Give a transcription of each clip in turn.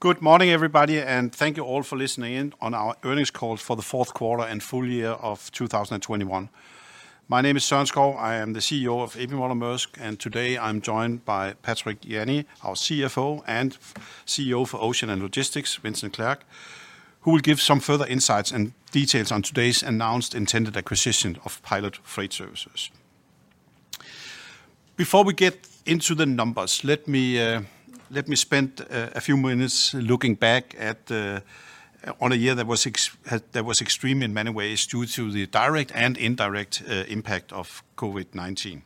Good morning, everybody, and thank you all for listening in on our earnings call for the fourth quarter and full-year of 2021. My name is Søren Skou. I am the CEO of AP Møller - Mærsk, and today, I'm joined by Patrick Jany, our CFO, and CEO for Ocean and Logistics, Vincent Clerc, who will give some further insights and details on today's announced intended acquisition of Pilot Freight Services. Before we get into the numbers, let me spend a few minutes looking back on a year that was extreme in many ways due to the direct and indirect impact of COVID-19.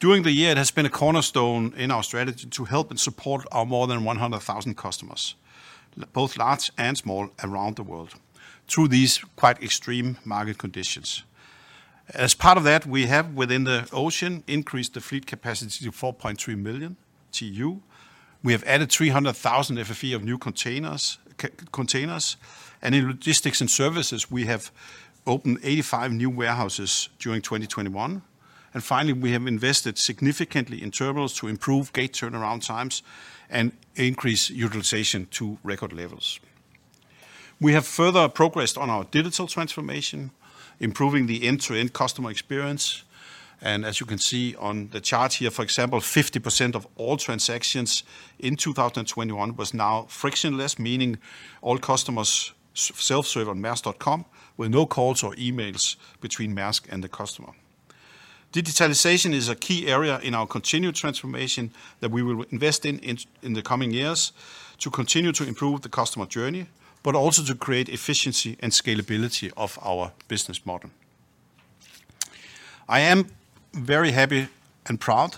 During the year, it has been a cornerstone in our strategy to help and support our more than 100,000 customers, both large and small around the world through these quite extreme market conditions. As part of that, we have, within the Ocean, increased the fleet capacity to 4.3 million TEU. We have added 300,000 FFE of new containers, reefer containers, and in Logistics and Services, we have opened 85 new warehouses during 2021. Finally, we have invested significantly in terminals to improve gate turnaround times and increase utilization to record levels. We have further progressed on our digital transformation, improving the end-to-end customer experience, and as you can see on the chart here, for example, 50% of all transactions in 2021 was now frictionless, meaning all customers self-serve on maersk.com with no calls or emails between Maersk and the customer. Digitalization is a key area in our continued transformation that we will invest in the coming years to continue to improve the customer journey, but also to create efficiency and scalability of our business model. I am very happy and proud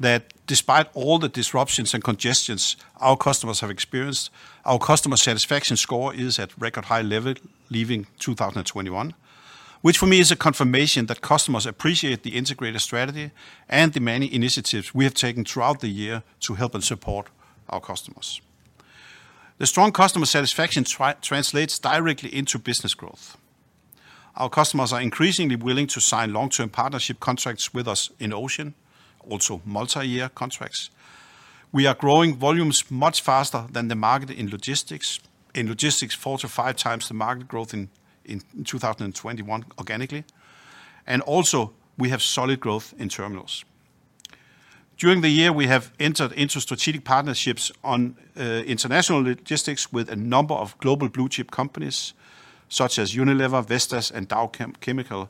that despite all the disruptions and congestions our customers have experienced, our customer satisfaction score is at record high level at the end of 2021, which for me is a confirmation that customers appreciate the integrated strategy and the many initiatives we have taken throughout the year to help and support our customers. The strong customer satisfaction translates directly into business growth. Our customers are increasingly willing to sign long-term partnership contracts with us in Ocean, also multi-year contracts. We are growing volumes much faster than the market in Logistics. In Logistics, 4-5x the market growth in 2021 organically. We have solid growth in terminals. During the year, we have entered into strategic partnerships on international logistics with a number of global blue chip companies, such as Unilever, Vestas, and Dow Chemical.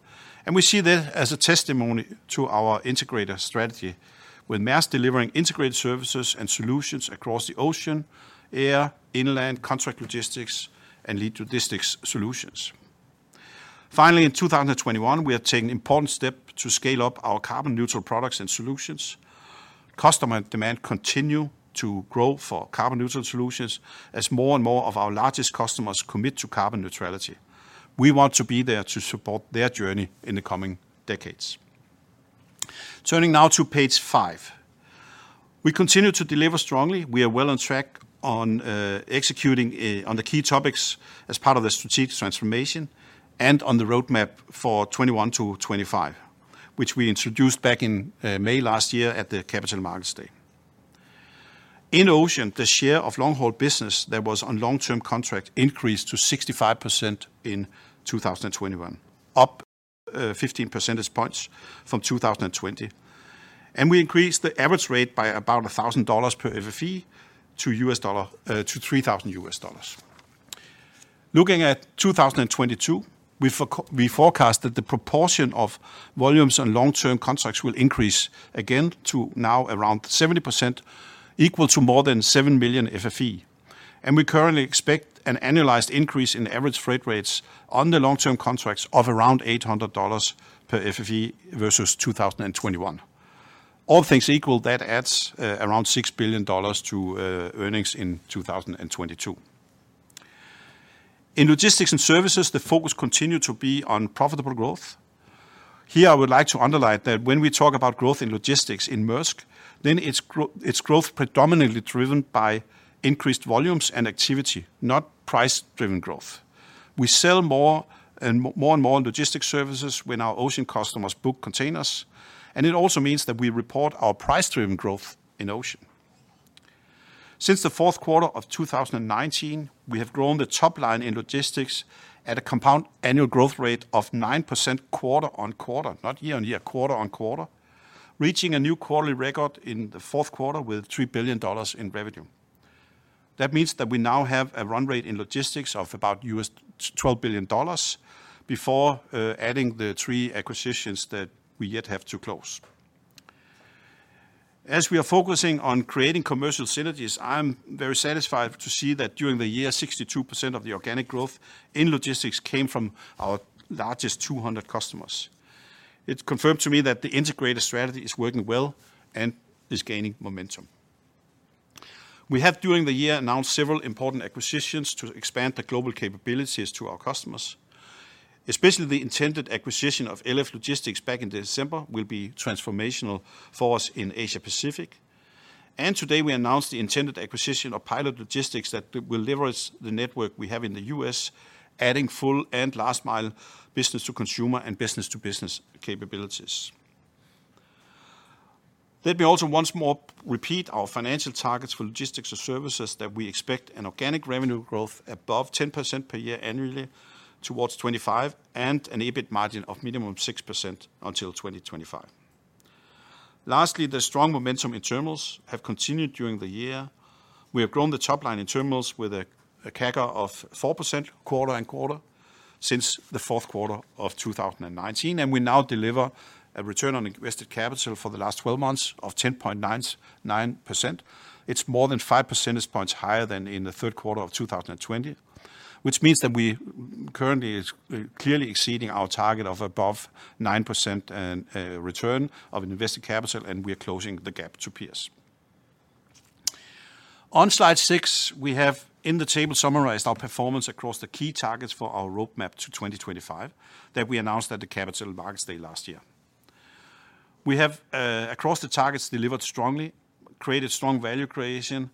We see that as a testimony to our integrated strategy, with Maersk delivering integrated services and solutions across the ocean, air, inland, contract logistics, and lead logistics solutions. Finally, in 2021, we have taken important step to scale up our carbon neutral products and solutions. Customer demand continue to grow for carbon neutral solutions as more and more of our largest customers commit to carbon neutrality. We want to be there to support their journey in the coming decades. Turning now to page 5. We continue to deliver strongly. We are well on track on executing on the key topics as part of the strategic transformation and on the roadmap for 2021 to 2025, which we introduced back in May last year at the Capital Markets Day. In Ocean, the share of long-haul business that was on long-term contract increased to 65% in 2021, up 15 percentage points from 2020. We increased the average rate by about $1,000 per FFE to $3,000. Looking at 2022, we forecast that the proportion of volumes on long-term contracts will increase again to now around 70%, equal to more than 7 billion FFE. We currently expect an annualized increase in average freight rates on the long-term contracts of around $800 per FFE versus 2021. All things equal, that adds around $6 billion to earnings in 2022. In Logistics & Services, the focus continue to be on profitable growth. Here, I would like to underline that when we talk about growth in Logistics in Maersk, then it's growth predominantly driven by increased volumes and activity, not price-driven growth. We sell more and more and more in Logistics Services when our Ocean customers book containers, and it also means that we report our price-driven growth in Ocean. Since the fourth quarter of 2019, we have grown the top line in Logistics at a compound annual growth rate of 9% quarter-on-quarter, not year-on-year, quarter-on-quarter, reaching a new quarterly record in the fourth quarter with $3 billion in revenue. That means that we now have a run rate in Logistics of about $12 billion before adding the three acquisitions that we yet have to close. As we are focusing on creating commercial synergies, I am very satisfied to see that during the year, 62% of the organic growth in Logistics came from our largest 200 customers. It's confirmed to me that the integrated strategy is working well and is gaining momentum. We have during the year announced several important acquisitions to expand the global capabilities to our customers, especially the intended acquisition of LF Logistics back in December will be transformational for us in Asia Pacific. Today, we announced the intended acquisition of Pilot that will leverage the network we have in the U.S., adding first and last mile business to consumer and business to business capabilities. Let me also once more repeat our financial targets for Logistics & Services that we expect an organic revenue growth above 10% per year annually towards 2025, and an EBIT margin of minimum 6% until 2025. Lastly, the strong momentum in terminals have continued during the year. We have grown the top line in terminals with a CAGR of 4% quarter-over-quarter since the fourth quarter of 2019. We now deliver a return on invested capital for the last 12 months of 10.99%. It's more than 5 percentage points higher than in the third quarter of 2020, which means that we currently are clearly exceeding our target of above 9% and return on invested capital, and we are closing the gap to peers. On Slide 6, we have in the table summarized our performance across the key targets for our roadmap to 2025 that we announced at the Capital Markets Day last year. We have across the targets delivered strongly, created strong value creation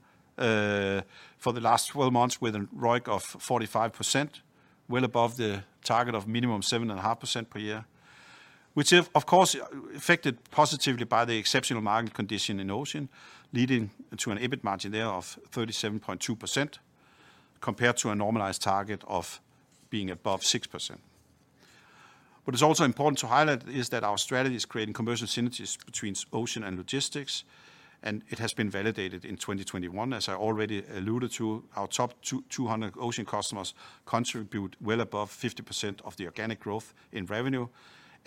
for the last 12 months with a ROIC of 45%, well above the target of minimum 7.5% per year, which of course affected positively by the exceptional market condition in Ocean, leading to an EBIT margin there of 37.2% compared to a normalized target of being above 6%. What is also important to highlight is that our strategy is creating commercial synergies between Ocean and Logistics, and it has been validated in 2021. As I already alluded to, our top 200 Ocean customers contribute well above 50% of the organic growth in revenue,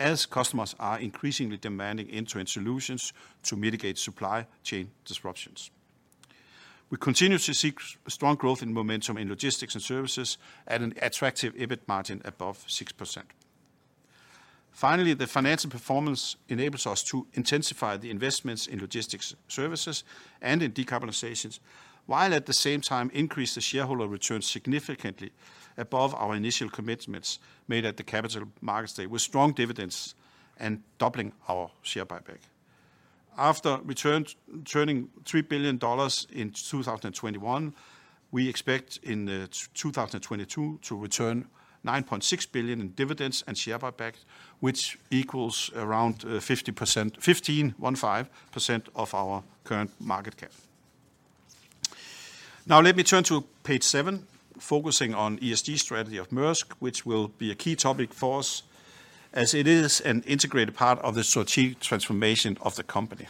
as customers are increasingly demanding end-to-end solutions to mitigate supply chain disruptions. We continue to see strong growth in momentum in Logistics and Services at an attractive EBIT margin above 6%. Finally, the financial performance enables us to intensify the investments in Logistics and Services and in decarbonizations, while at the same time increase the shareholder returns significantly above our initial commitments made at the Capital Markets Day, with strong dividends and doubling our share buyback. After returning $3 billion in 2021, we expect in 2022 to return $9.6 billion in dividends and share buybacks, which equals around 15% of our current market cap. Now let me turn to page 7, focusing on ESG strategy of Maersk, which will be a key topic for us as it is an integrated part of the strategic transformation of the company.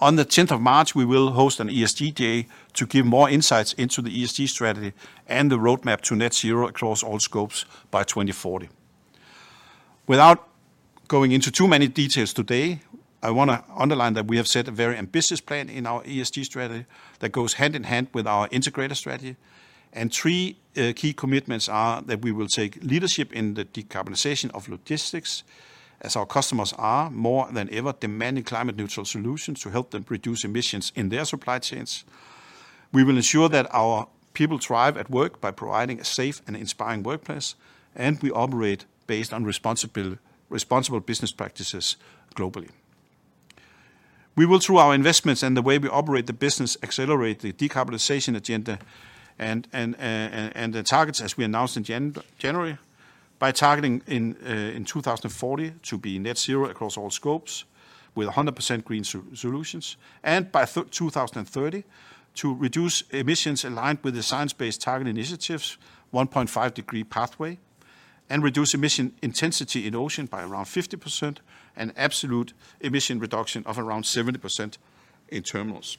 On the 10th of March, we will host an ESG day to give more insights into the ESG strategy and the roadmap to net zero across all scopes by 2040. Without going into too many details today, I wanna underline that we have set a very ambitious plan in our ESG strategy that goes hand in hand with our integrated strategy. Three key commitments are that we will take leadership in the decarbonization of logistics, as our customers are more than ever demanding climate neutral solutions to help them reduce emissions in their supply chains. We will ensure that our people thrive at work by providing a safe and inspiring workplace, and we operate based on responsible business practices globally. We will, through our investments and the way we operate the business, accelerate the decarbonization agenda and the targets as we announced in January, by targeting in 2040 to be net zero across all scopes with 100% green solutions. By 2030, to reduce emissions aligned with the Science Based Targets initiative 1.5-degree pathway, and reduce emission intensity in Ocean by around 50% and absolute emission reduction of around 70% in terminals.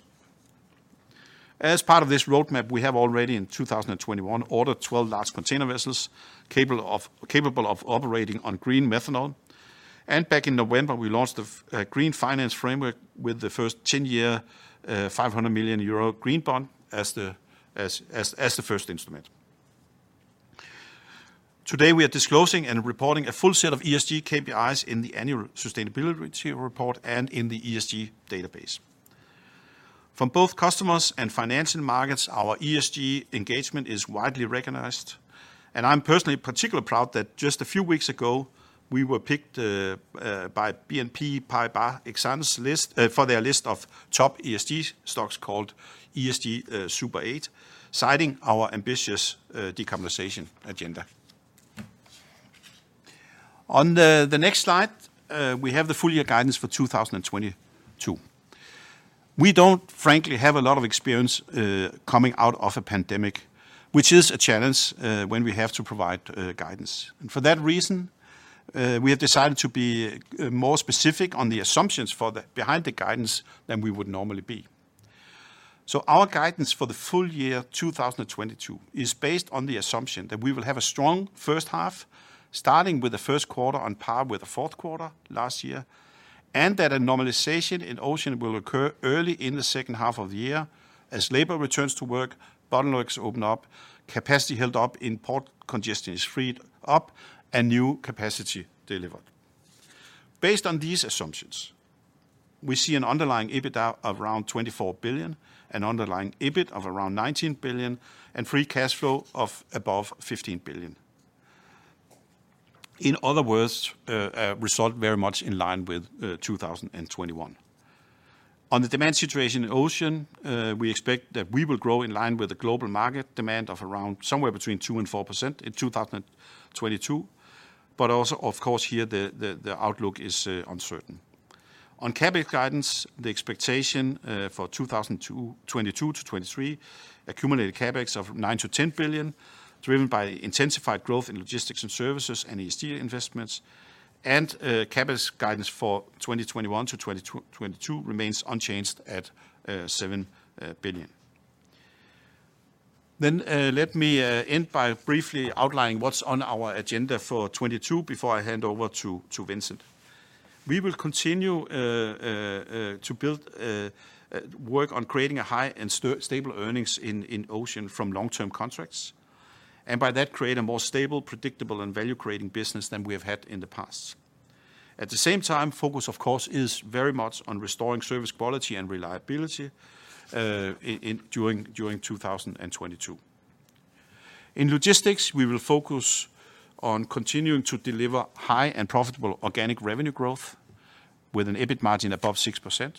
As part of this roadmap, we have already in 2021 ordered 12 large container vessels capable of operating on green methanol. Back in November, we launched a green finance framework with the first 10-year 500 million euro green bond as the first instrument. Today we are disclosing and reporting a full set of ESG KPIs in the annual sustainability report and in the ESG database. From both customers and financial markets, our ESG engagement is widely recognized, and I'm personally particularly proud that just a few weeks ago, we were picked by BNP Paribas Exane's list for their list of top ESG stocks called ESG Super Eight, citing our ambitious decarbonization agenda. On the next slide, we have the full-year guidance for 2022. We don't frankly have a lot of experience coming out of a pandemic, which is a challenge when we have to provide guidance. For that reason, we have decided to be more specific on the assumptions behind the guidance than we would normally be. Our guidance for the full-year 2022 is based on the assumption that we will have a strong first half, starting with the first quarter on par with the fourth quarter last year, and that a normalization in Ocean will occur early in the second half of the year as labor returns to work, bottlenecks open up, capacity held up in port congestion is freed up, and new capacity delivered. Based on these assumptions, we see an underlying EBITDA of around $24 billion, an underlying EBIT of around $19 billion, and free cash flow of above $15 billion. In other words, a result very much in line with 2021. On the demand situation in Ocean, we expect that we will grow in line with the global market demand of around somewhere between 2%-4% in 2022. Also, of course, here, the outlook is uncertain. On CapEx guidance, the expectation for 2022-2023 accumulated CapEx of $9 billion-$10 billion, driven by intensified growth in logistics and services and ESG investments. CapEx guidance for 2021-2022 remains unchanged at $7 billion. Let me end by briefly outlining what's on our agenda for 2022 before I hand over to Vincent. We will continue to work on creating a high and stable earnings in Ocean from long-term contracts, and by that create a more stable, predictable, and value-creating business than we have had in the past. At the same time, focus, of course, is very much on restoring service quality and reliability during 2022. In logistics, we will focus on continuing to deliver high and profitable organic revenue growth with an EBIT margin above 6%,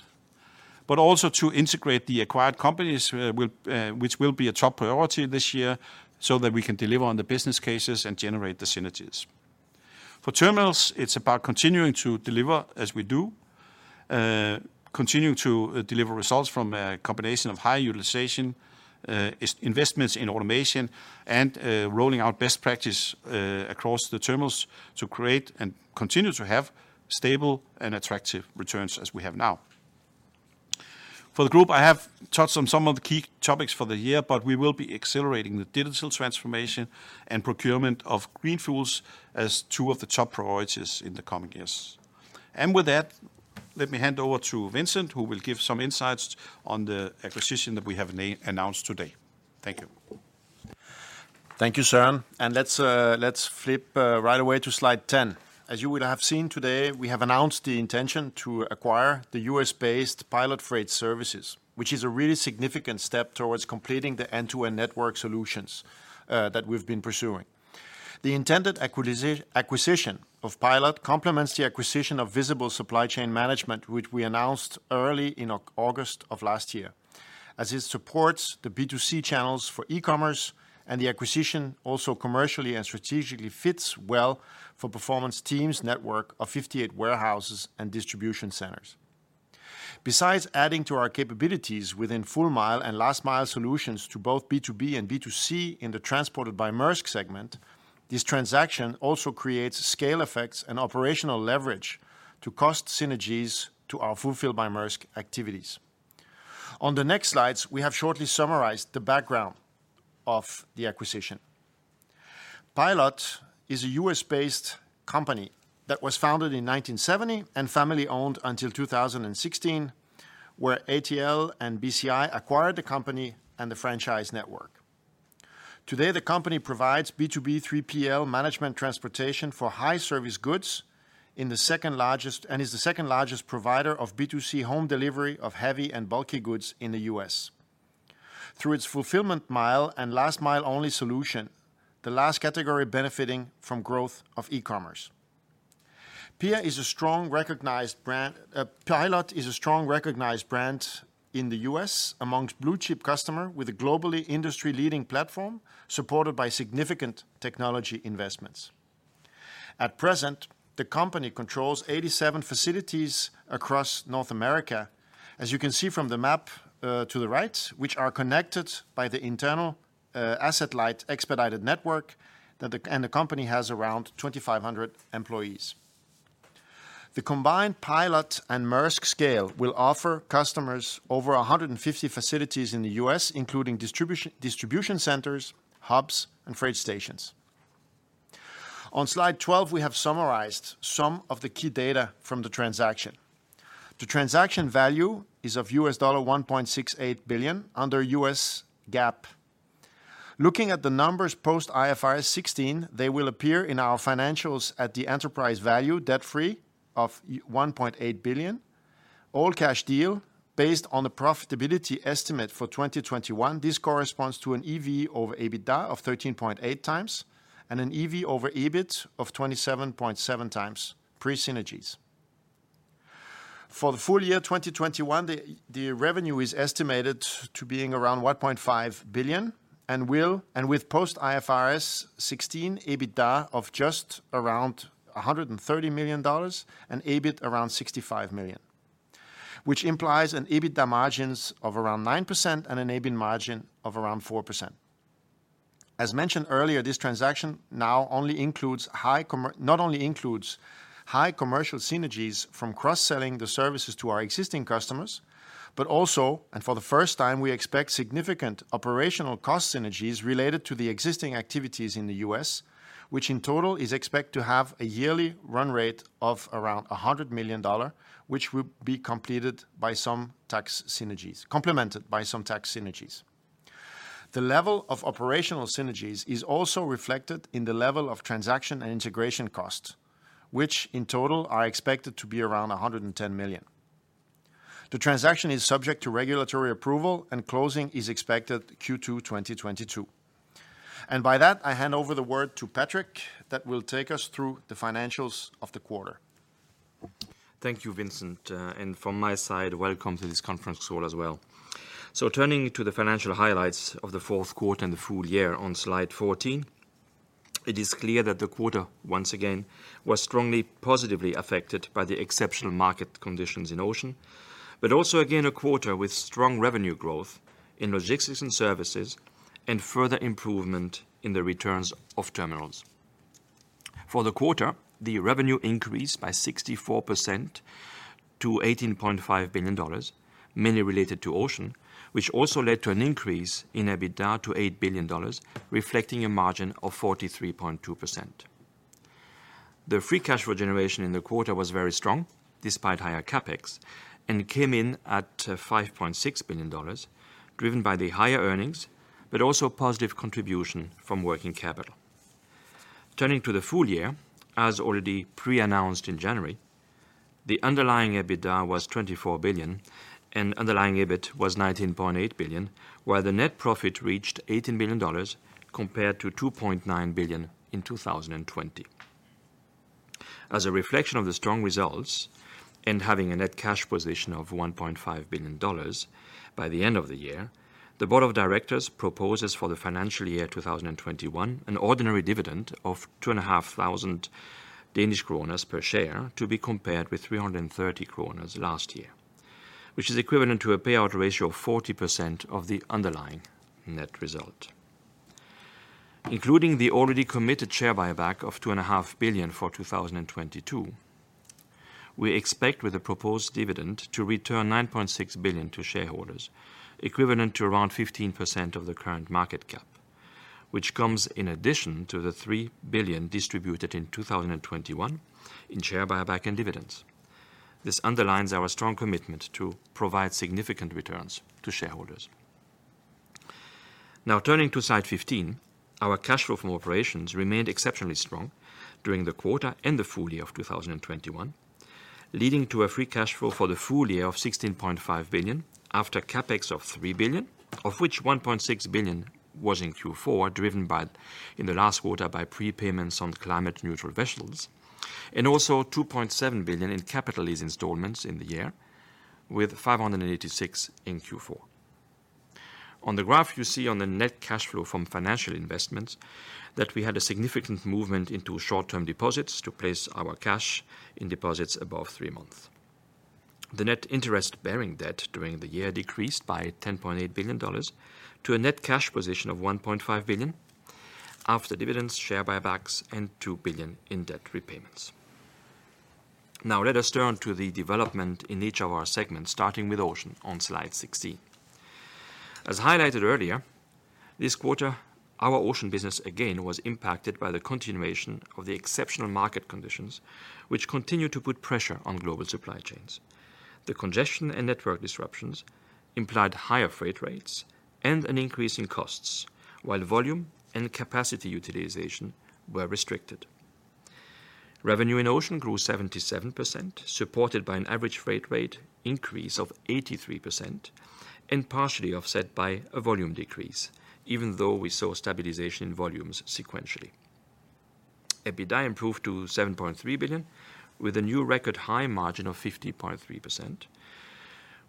but also to integrate the acquired companies, which will be a top priority this year so that we can deliver on the business cases and generate the synergies. For terminals, it's about continuing to deliver results from a combination of high utilization, investments in automation, and rolling out best practice across the terminals to create and continue to have stable and attractive returns as we have now. For the group, I have touched on some of the key topics for the year, we will be accelerating the digital transformation and procurement of green fuels as two of the top priorities in the coming years. With that, let me hand over to Vincent, who will give some insights on the acquisition that we have announced today. Thank you. Thank you, Søren. Let's flip right away to Slide 10. As you will have seen today, we have announced the intention to acquire the U.S.-based Pilot Freight Services, which is a really significant step towards completing the end-to-end network solutions that we've been pursuing. The intended acquisition of Pilot complements the acquisition of Visible Supply Chain Management, which we announced early in August of last year, as it supports the B2C channels for e-commerce and the acquisition also commercially and strategically fits well for Performance Team's network of 58 warehouses and distribution centers. Besides adding to our capabilities within first mile and last mile solutions to both B2B and B2C in the Transported by Maersk segment, this transaction also creates scale effects and operational leverage and cost synergies to our Fulfilled by Maersk activities. On the next slides, we have shortly summarized the background of the acquisition. Pilot is a U.S.-based company that was founded in 1970 and family owned until 2016, where ATL and BCI acquired the company and the franchise network. Today, the company provides B2B 3PL management transportation for high service goods in the second largest, and is the second largest provider of B2C home delivery of heavy and bulky goods in the U.S. Through its fulfillment mile and last mile only solution, the last category benefiting from growth of e-commerce. Pilot is a strong recognized brand in the U.S. among blue chip customer with a globally industry-leading platform supported by significant technology investments. At present, the company controls 87 facilities across North America. As you can see from the map to the right, which are connected by the internal asset light expedited network. The company has around 2,500 employees. The combined Pilot and Maersk scale will offer customers over 150 facilities in the U.S., including distribution centers, hubs, and freight stations. On Slide 12, we have summarized some of the key data from the transaction. The transaction value is $1.68 billion under U.S. GAAP. Looking at the numbers post IFRS 16, they will appear in our financials at the enterprise value, debt-free, of $1.8 billion. All-cash deal based on the profitability estimate for 2021. This corresponds to an EV/EBITDA of 13.8x and an EV/EBIT of 27.7x pre-synergies. For the full-year 2021, the revenue is estimated to be around $1.5 billion and with post IFRS 16 EBITDA of just around $130 million and EBIT around $65 million, which implies an EBITDA margins of around 9% and an EBIT margin of around 4%. As mentioned earlier, this transaction now not only includes high commercial synergies from cross-selling the services to our existing customers, but also, for the first time, we expect significant operational cost synergies related to the existing activities in the U.S., which in total is expected to have a yearly run rate of around $100 million, which will be complemented by some tax synergies. The level of operational synergies is also reflected in the level of transaction and integration costs, which in total are expected to be around $110 million. The transaction is subject to regulatory approval, and closing is expected Q2 2022. By that, I hand over the word to Patrick that will take us through the financials of the quarter. Thank you, Vincent. And from my side, welcome to this conference call as well. Turning to the financial highlights of the fourth quarter and the full-year on Slide 14, it is clear that the quarter, once again, was strongly positively affected by the exceptional market conditions in Ocean, but also again, a quarter with strong revenue growth in Logistics and Services and further improvement in the returns of terminals. For the quarter, the revenue increased by 64% to $18.5 billion, mainly related to Ocean, which also led to an increase in EBITDA to $8 billion, reflecting a margin of 43.2%. The free cash flow generation in the quarter was very strong despite higher CapEx and came in at $5.6 billion, driven by the higher earnings, but also positive contribution from working capital. Turning to the full-year, as already pre-announced in January, the underlying EBITDA was $24 billion and underlying EBIT was $19.8 billion, while the net profit reached $18 billion compared to $2.9 billion in 2020. As a reflection of the strong results and having a net cash position of $1.5 billion by the end of the year, the board of directors proposes for the financial year 2021 an ordinary dividend of 2,500 Danish kroner per share to be compared with 330 kroner last year, which is equivalent to a payout ratio of 40% of the underlying net result. Including the already committed share buyback of $2.5 billion for 2022, we expect with the proposed dividend to return $9.6 billion to shareholders, equivalent to around 15% of the current market cap, which comes in addition to the $3 billion distributed in 2021 in share buyback and dividends. This underlines our strong commitment to provide significant returns to shareholders. Now turning to Slide 15, our cash flow from operations remained exceptionally strong during the quarter and the full-year of 2021, leading to a free cash flow for the full-year of $16.5 billion after CapEx of $3 billion, of which $1.6 billion was in Q4, driven by, in the last quarter by prepayments on climate neutral vessels, and also $2.7 billion in capitalized installments in the year with $586 million in Q4. On the graph, you see the net cash flow from financial investments that we had a significant movement into short-term deposits to place our cash in deposits above three months. The net interest-bearing debt during the year decreased by $10.8 billion to a net cash position of $1.5 billion after dividends, share buybacks, and $2 billion in debt repayments. Now let us turn to the development in each of our segments, starting with Ocean on Slide 16. As highlighted earlier, this quarter, our Ocean business again was impacted by the continuation of the exceptional market conditions, which continued to put pressure on global supply chains. The congestion and network disruptions implied higher freight rates and an increase in costs, while volume and capacity utilization were restricted. Revenue in Ocean grew 77%, supported by an average freight rate increase of 83% and partially offset by a volume decrease, even though we saw stabilization in volumes sequentially. EBITDA improved to $7.3 billion with a new record high margin of 50.3%,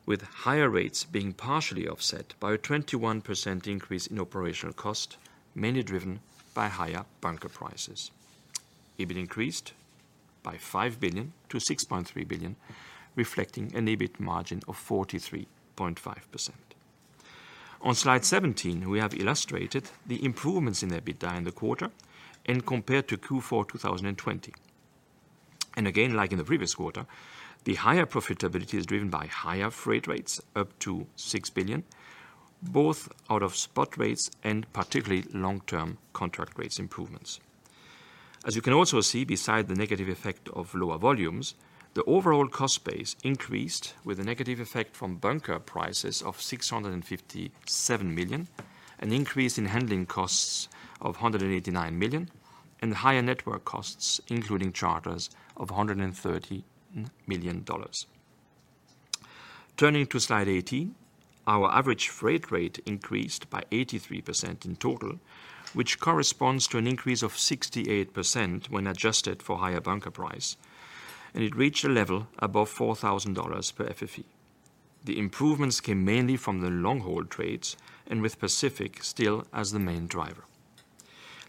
with higher rates being partially offset by a 21% increase in operational cost, mainly driven by higher bunker prices. EBIT increased by $5 billion to $6.3 billion, reflecting an EBIT margin of 43.5%. On Slide 17, we have illustrated the improvements in EBITDA in the quarter and compared to Q4 2020. Again, like in the previous quarter, the higher profitability is driven by higher freight rates up to $6 billion, both out of spot rates and particularly long-term contract rates improvements. As you can also see, besides the negative effect of lower volumes, the overall cost base increased with a negative effect from bunker prices of $657 million, an increase in handling costs of $189 million, and higher network costs, including charters of $130 million. Turning to Slide 18, our average freight rate increased by 83% in total, which corresponds to an increase of 68% when adjusted for higher bunker price, and it reached a level above $4,000 per FFE. The improvements came mainly from the long-haul trades and with Pacific still as the main driver.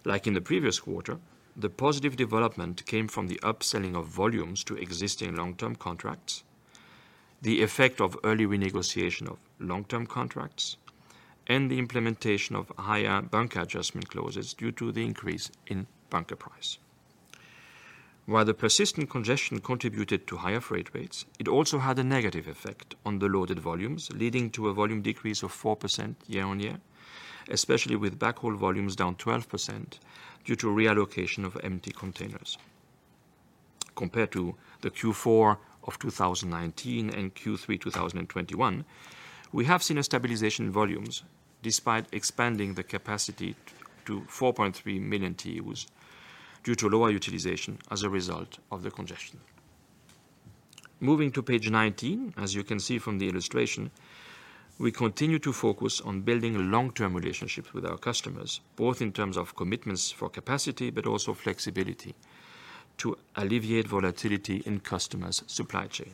Like in the previous quarter, the positive development came from the upselling of volumes to existing long-term contracts, the effect of early renegotiation of long-term contracts, and the implementation of higher bunker adjustment clauses due to the increase in bunker price. While the persistent congestion contributed to higher freight rates, it also had a negative effect on the loaded volumes, leading to a volume decrease of 4% year-on-year, especially with backhaul volumes down 12% due to reallocation of empty containers. Compared to the Q4 of 2019 and Q3 2021, we have seen a stabilization in volumes despite expanding the capacity to 4.3 million TEUs due to lower utilization as a result of the congestion. Moving to page 19, as you can see from the illustration, we continue to focus on building long-term relationships with our customers, both in terms of commitments for capacity, but also flexibility to alleviate volatility in customers' supply chain.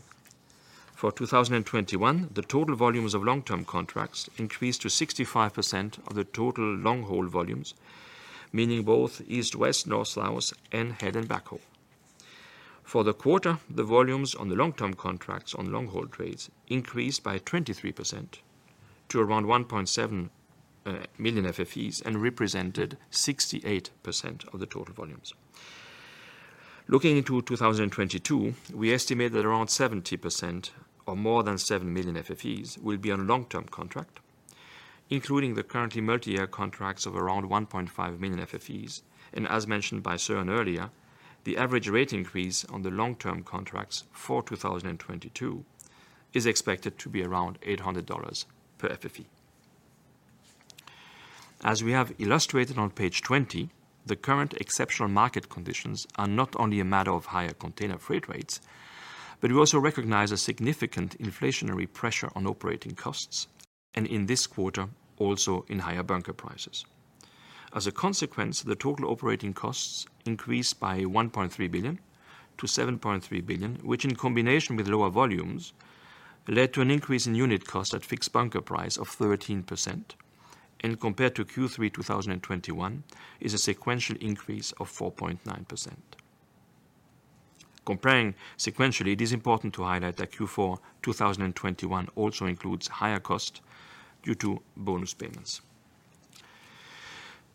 For 2021, the total volumes of long-term contracts increased to 65% of the total long-haul volumes, meaning both East, West, North routes and head and backhaul. For the quarter, the volumes on the long-term contracts on long-haul trades increased by 23% to around 1.7 million FFEs and represented 68% of the total volumes. Looking into 2022, we estimate that around 70% or more than 7 million FFEs will be on long-term contract, including the currently multi-year contracts of around 1.5 million FFEs. As mentioned by Søren earlier, the average rate increase on the long-term contracts for 2022 is expected to be around $800 per FFE. As we have illustrated on page 20, the current exceptional market conditions are not only a matter of higher container freight rates, but we also recognize a significant inflationary pressure on operating costs, and in this quarter, also in higher bunker prices. As a consequence, the total operating costs increased by $1.3 billion to $7.3 billion, which in combination with lower volumes led to an increase in unit cost at fixed bunker price of 13%, and compared to Q3 2021, is a sequential increase of 4.9%. Comparing sequentially, it is important to highlight that Q4 2021 also includes higher cost due to bonus payments.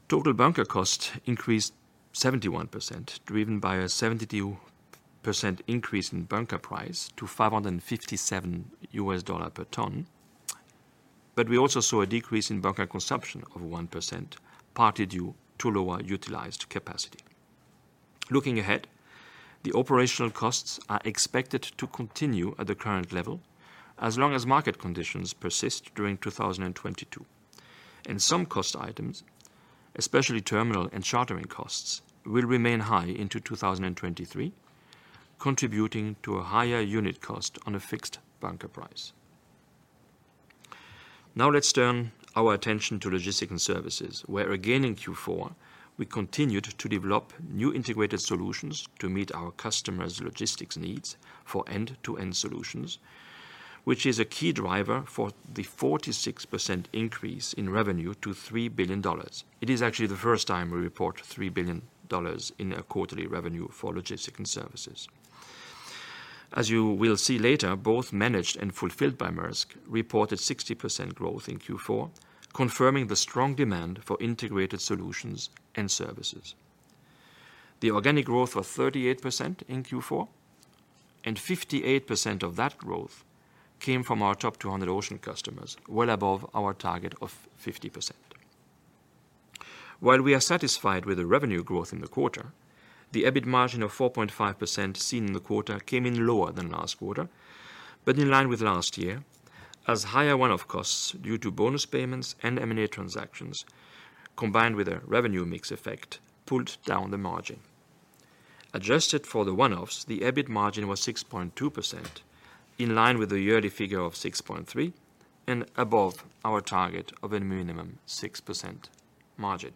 Total bunker cost increased 71%, driven by a 72% increase in bunker price to $557 per ton, but we also saw a decrease in bunker consumption of 1%, partly due to lower utilized capacity. Looking ahead, the operational costs are expected to continue at the current level as long as market conditions persist during 2022. In some cost items, especially terminal and chartering costs, will remain high into 2023, contributing to a higher unit cost on a fixed bunker price. Now let's turn our attention to Logistics & Services, where again, in Q4, we continued to develop new integrated solutions to meet our customers' logistics needs for end-to-end solutions, which is a key driver for the 46% increase in revenue to $3 billion. It is actually the first time we report $3 billion in a quarterly revenue for Logistics & Services. As you will see later, both Managed by Maersk and Fulfilled by Maersk reported 60% growth in Q4, confirming the strong demand for integrated solutions and services. The organic growth was 38% in Q4, and 58% of that growth came from our top 200 ocean customers, well above our target of 50%. While we are satisfied with the revenue growth in the quarter, the EBIT margin of 4.5% seen in the quarter came in lower than last quarter, but in line with last year as higher one-off costs due to bonus payments and M&A transactions, combined with a revenue mix effect pulled down the margin. Adjusted for the one-offs, the EBIT margin was 6.2% in line with the yearly figure of 6.3% and above our target of a minimum 6% margin.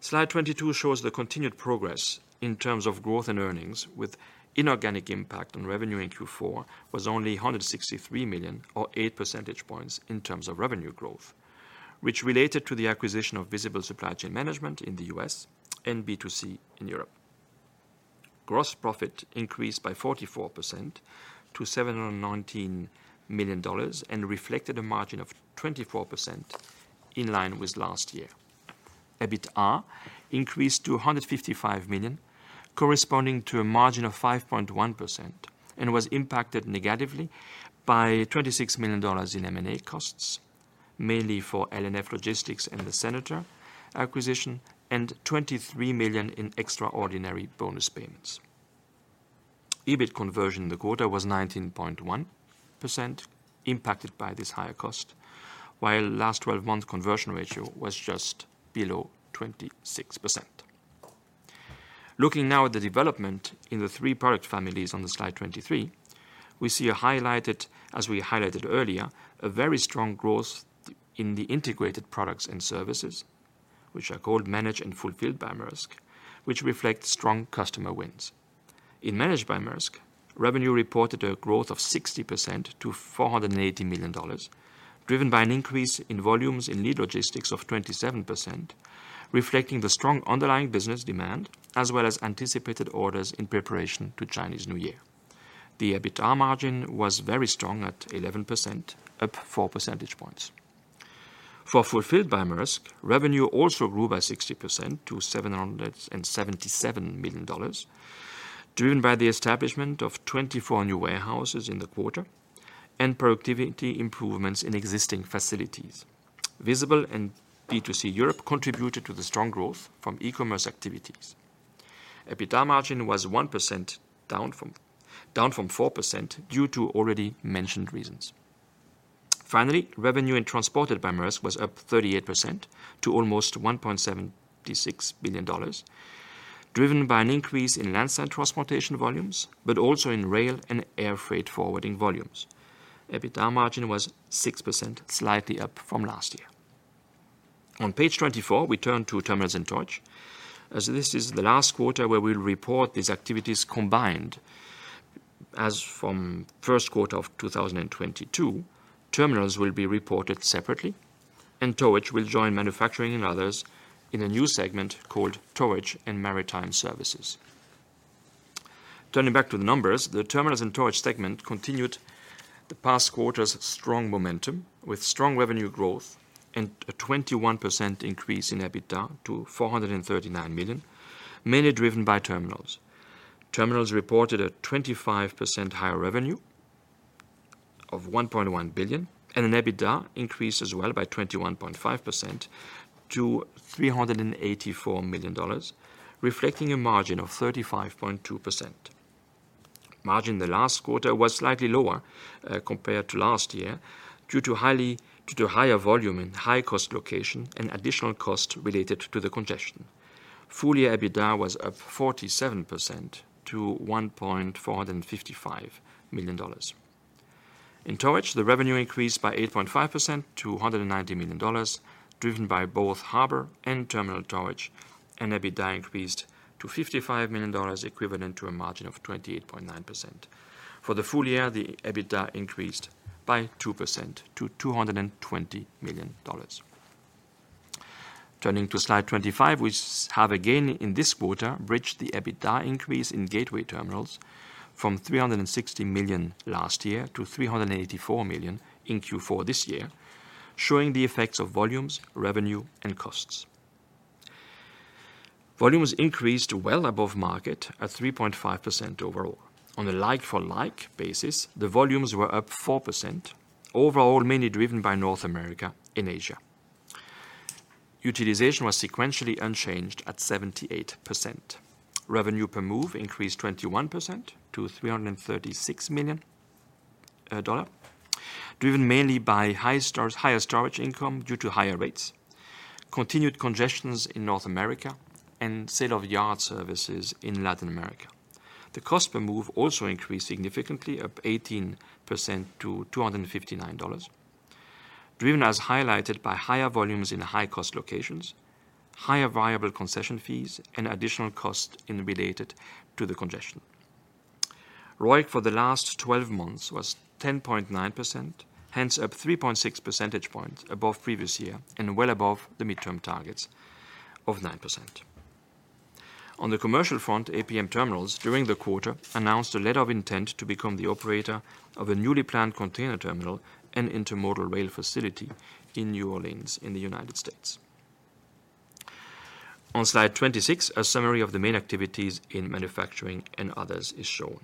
Slide 22 shows the continued progress in terms of growth in earnings with inorganic impact on revenue in Q4 was only $163 million or 8 percentage points in terms of revenue growth, which related to the acquisition of Visible Supply Chain Management in the U.S. and B2C Europe. Gross profit increased by 44% to $719 million and reflected a margin of 24% in line with last year. EBITA increased to $155 million, corresponding to a margin of 5.1%, and was impacted negatively by $26 million in M&A costs, mainly for LF Logistics and the Senator acquisition, and $23 million in extraordinary bonus payments. EBIT conversion in the quarter was 19.1% impacted by this higher cost, while last 12 months conversion ratio was just below 26%. Looking now at the development in the three product families on the Slide 23, we see, as we highlighted earlier, a very strong growth in the integrated products and services, which are called Managed by Maersk and Fulfilled by Maersk, which reflect strong customer wins. In Managed by Maersk, revenue reported a growth of 60% to $480 million, driven by an increase in volumes in lead logistics of 27%, reflecting the strong underlying business demand as well as anticipated orders in preparation to Chinese New Year. The EBITA margin was very strong at 11%, up 4 percentage points. For Fulfilled by Maersk, revenue also grew by 60% to $777 million, driven by the establishment of 24 new warehouses in the quarter and productivity improvements in existing facilities. Visible and B2C Europe contributed to the strong growth from e-commerce activities. EBITA margin was 1% down from 4% due to already mentioned reasons. Finally, revenue and Transported by Maersk was up 38% to almost $1.76 billion, driven by an increase in landside transportation volumes, but also in rail and air freight forwarding volumes. EBITDA margin was 6%, slightly up from last year. On page 24, we turn to terminals and towage as this is the last quarter where we'll report these activities combined. As from first quarter of 2022, terminals will be reported separately and towage will join manufacturing and others in a new segment called Towage and Maritime Services. Turning back to the numbers, the terminals and towage segment continued the past quarter's strong momentum with strong revenue growth and a 21% increase in EBITDA to $439 million, mainly driven by terminals. Terminals reported a 25% higher revenue of $1.1 billion and an EBITDA increase as well by 21.5% to $384 million, reflecting a margin of 35.2%. Margin in the last quarter was slightly lower compared to last year due to higher volume and high-cost locations and additional cost related to the congestion. Full-year EBITDA was up 47% to $1.455 billion. In Towage, the revenue increased by 8.5% to $190 million, driven by both harbor and terminal towage, and EBITDA increased to $55 million, equivalent to a margin of 28.9%. For the full-year, the EBITDA increased by 2% to $220 million. Turning to Slide 25, which have again in this quarter bridged the EBITDA increase in gateway terminals from $360 million last year to $384 million in Q4 this year, showing the effects of volumes, revenue, and costs. Volumes increased well above market at 3.5% overall. On a like for like basis, the volumes were up 4% overall, mainly driven by North America and Asia. Utilization was sequentially unchanged at 78%. Revenue per move increased 21% to $336 dollars, driven mainly by higher storage income due to higher rates, continued congestions in North America, and sale of yard services in Latin America. The cost per move also increased significantly up 18% to $259. Driven, as highlighted by higher volumes in high-cost locations, higher variable concession fees, and additional costs related to the congestion. ROIC for the last 12 months was 10.9%, hence up 3.6 percentage points above previous year and well above the mid-term targets of 9%. On the commercial front, APM Terminals during the quarter announced a letter of intent to become the operator of a newly planned container terminal and intermodal rail facility in New Orleans in the United States. On Slide 26, a summary of the main activities in manufacturing and others is shown.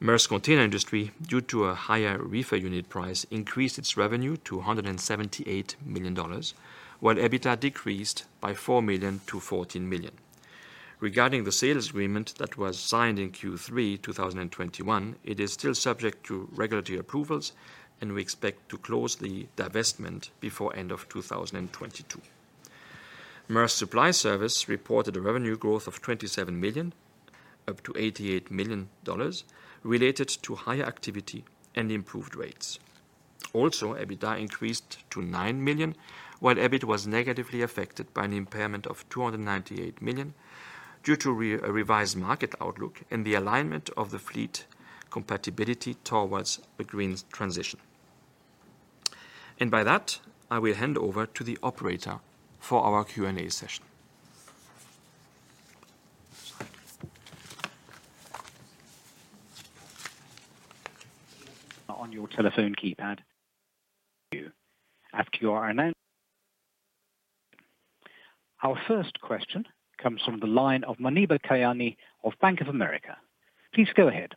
Maersk Container Industry, due to a higher reefer unit price, increased its revenue to $178 million, while EBITDA decreased by $4 million to $14 million. Regarding the sales agreement that was signed in Q3 2021, it is still subject to regulatory approvals and we expect to close the divestment before end of 2022. Maersk Supply Service reported a revenue growth of $27 million, up to $88 million related to higher activity and improved rates. Also, EBITDA increased to $9 million, while EBIT was negatively affected by an impairment of $298 million due to a revised market outlook and the alignment of the fleet compatibility towards a green transition. By that, I will hand over to the operator for our Q&A session. Our first question comes from the line of Muneeba Kayani of Bank of America. Please go ahead.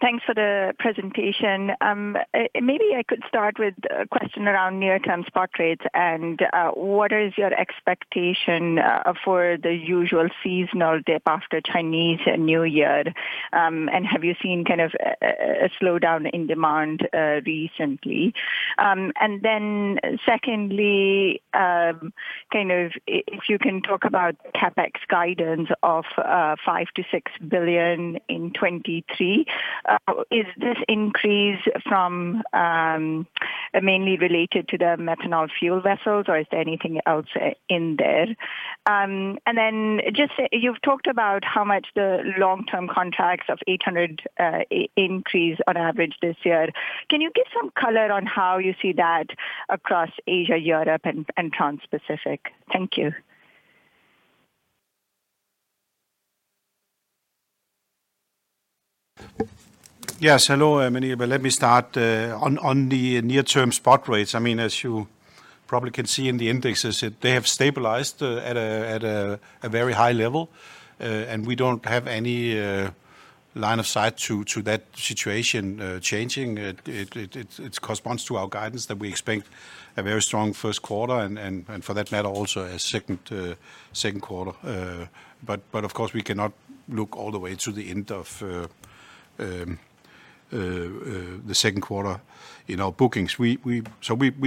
Thanks for the presentation. Maybe I could start with a question around near-term spot rates and what is your expectation for the usual seasonal dip after Chinese New Year? And have you seen kind of a slowdown in demand recently? And then secondly, kind of if you can talk about CapEx guidance of $5 billion-$6 billion in 2023. Is this increase from mainly related to the methanol fuel vessels or is there anything else in there? And then just you've talked about how much the long-term contracts of 800 increase on average this year. Can you give some color on how you see that across Asia, Europe, and Trans-Pacific? Thank you. Yes. Hello, Muneeba. Let me start on the near-term spot rates. I mean, as you probably can see in the indexes, they have stabilized at a very high level, and we don't have any line of sight to that situation changing. It corresponds to our guidance that we expect a very strong first quarter and, for that matter, also a second quarter. Of course, we cannot look all the way to the end of The second quarter, you know, bookings. We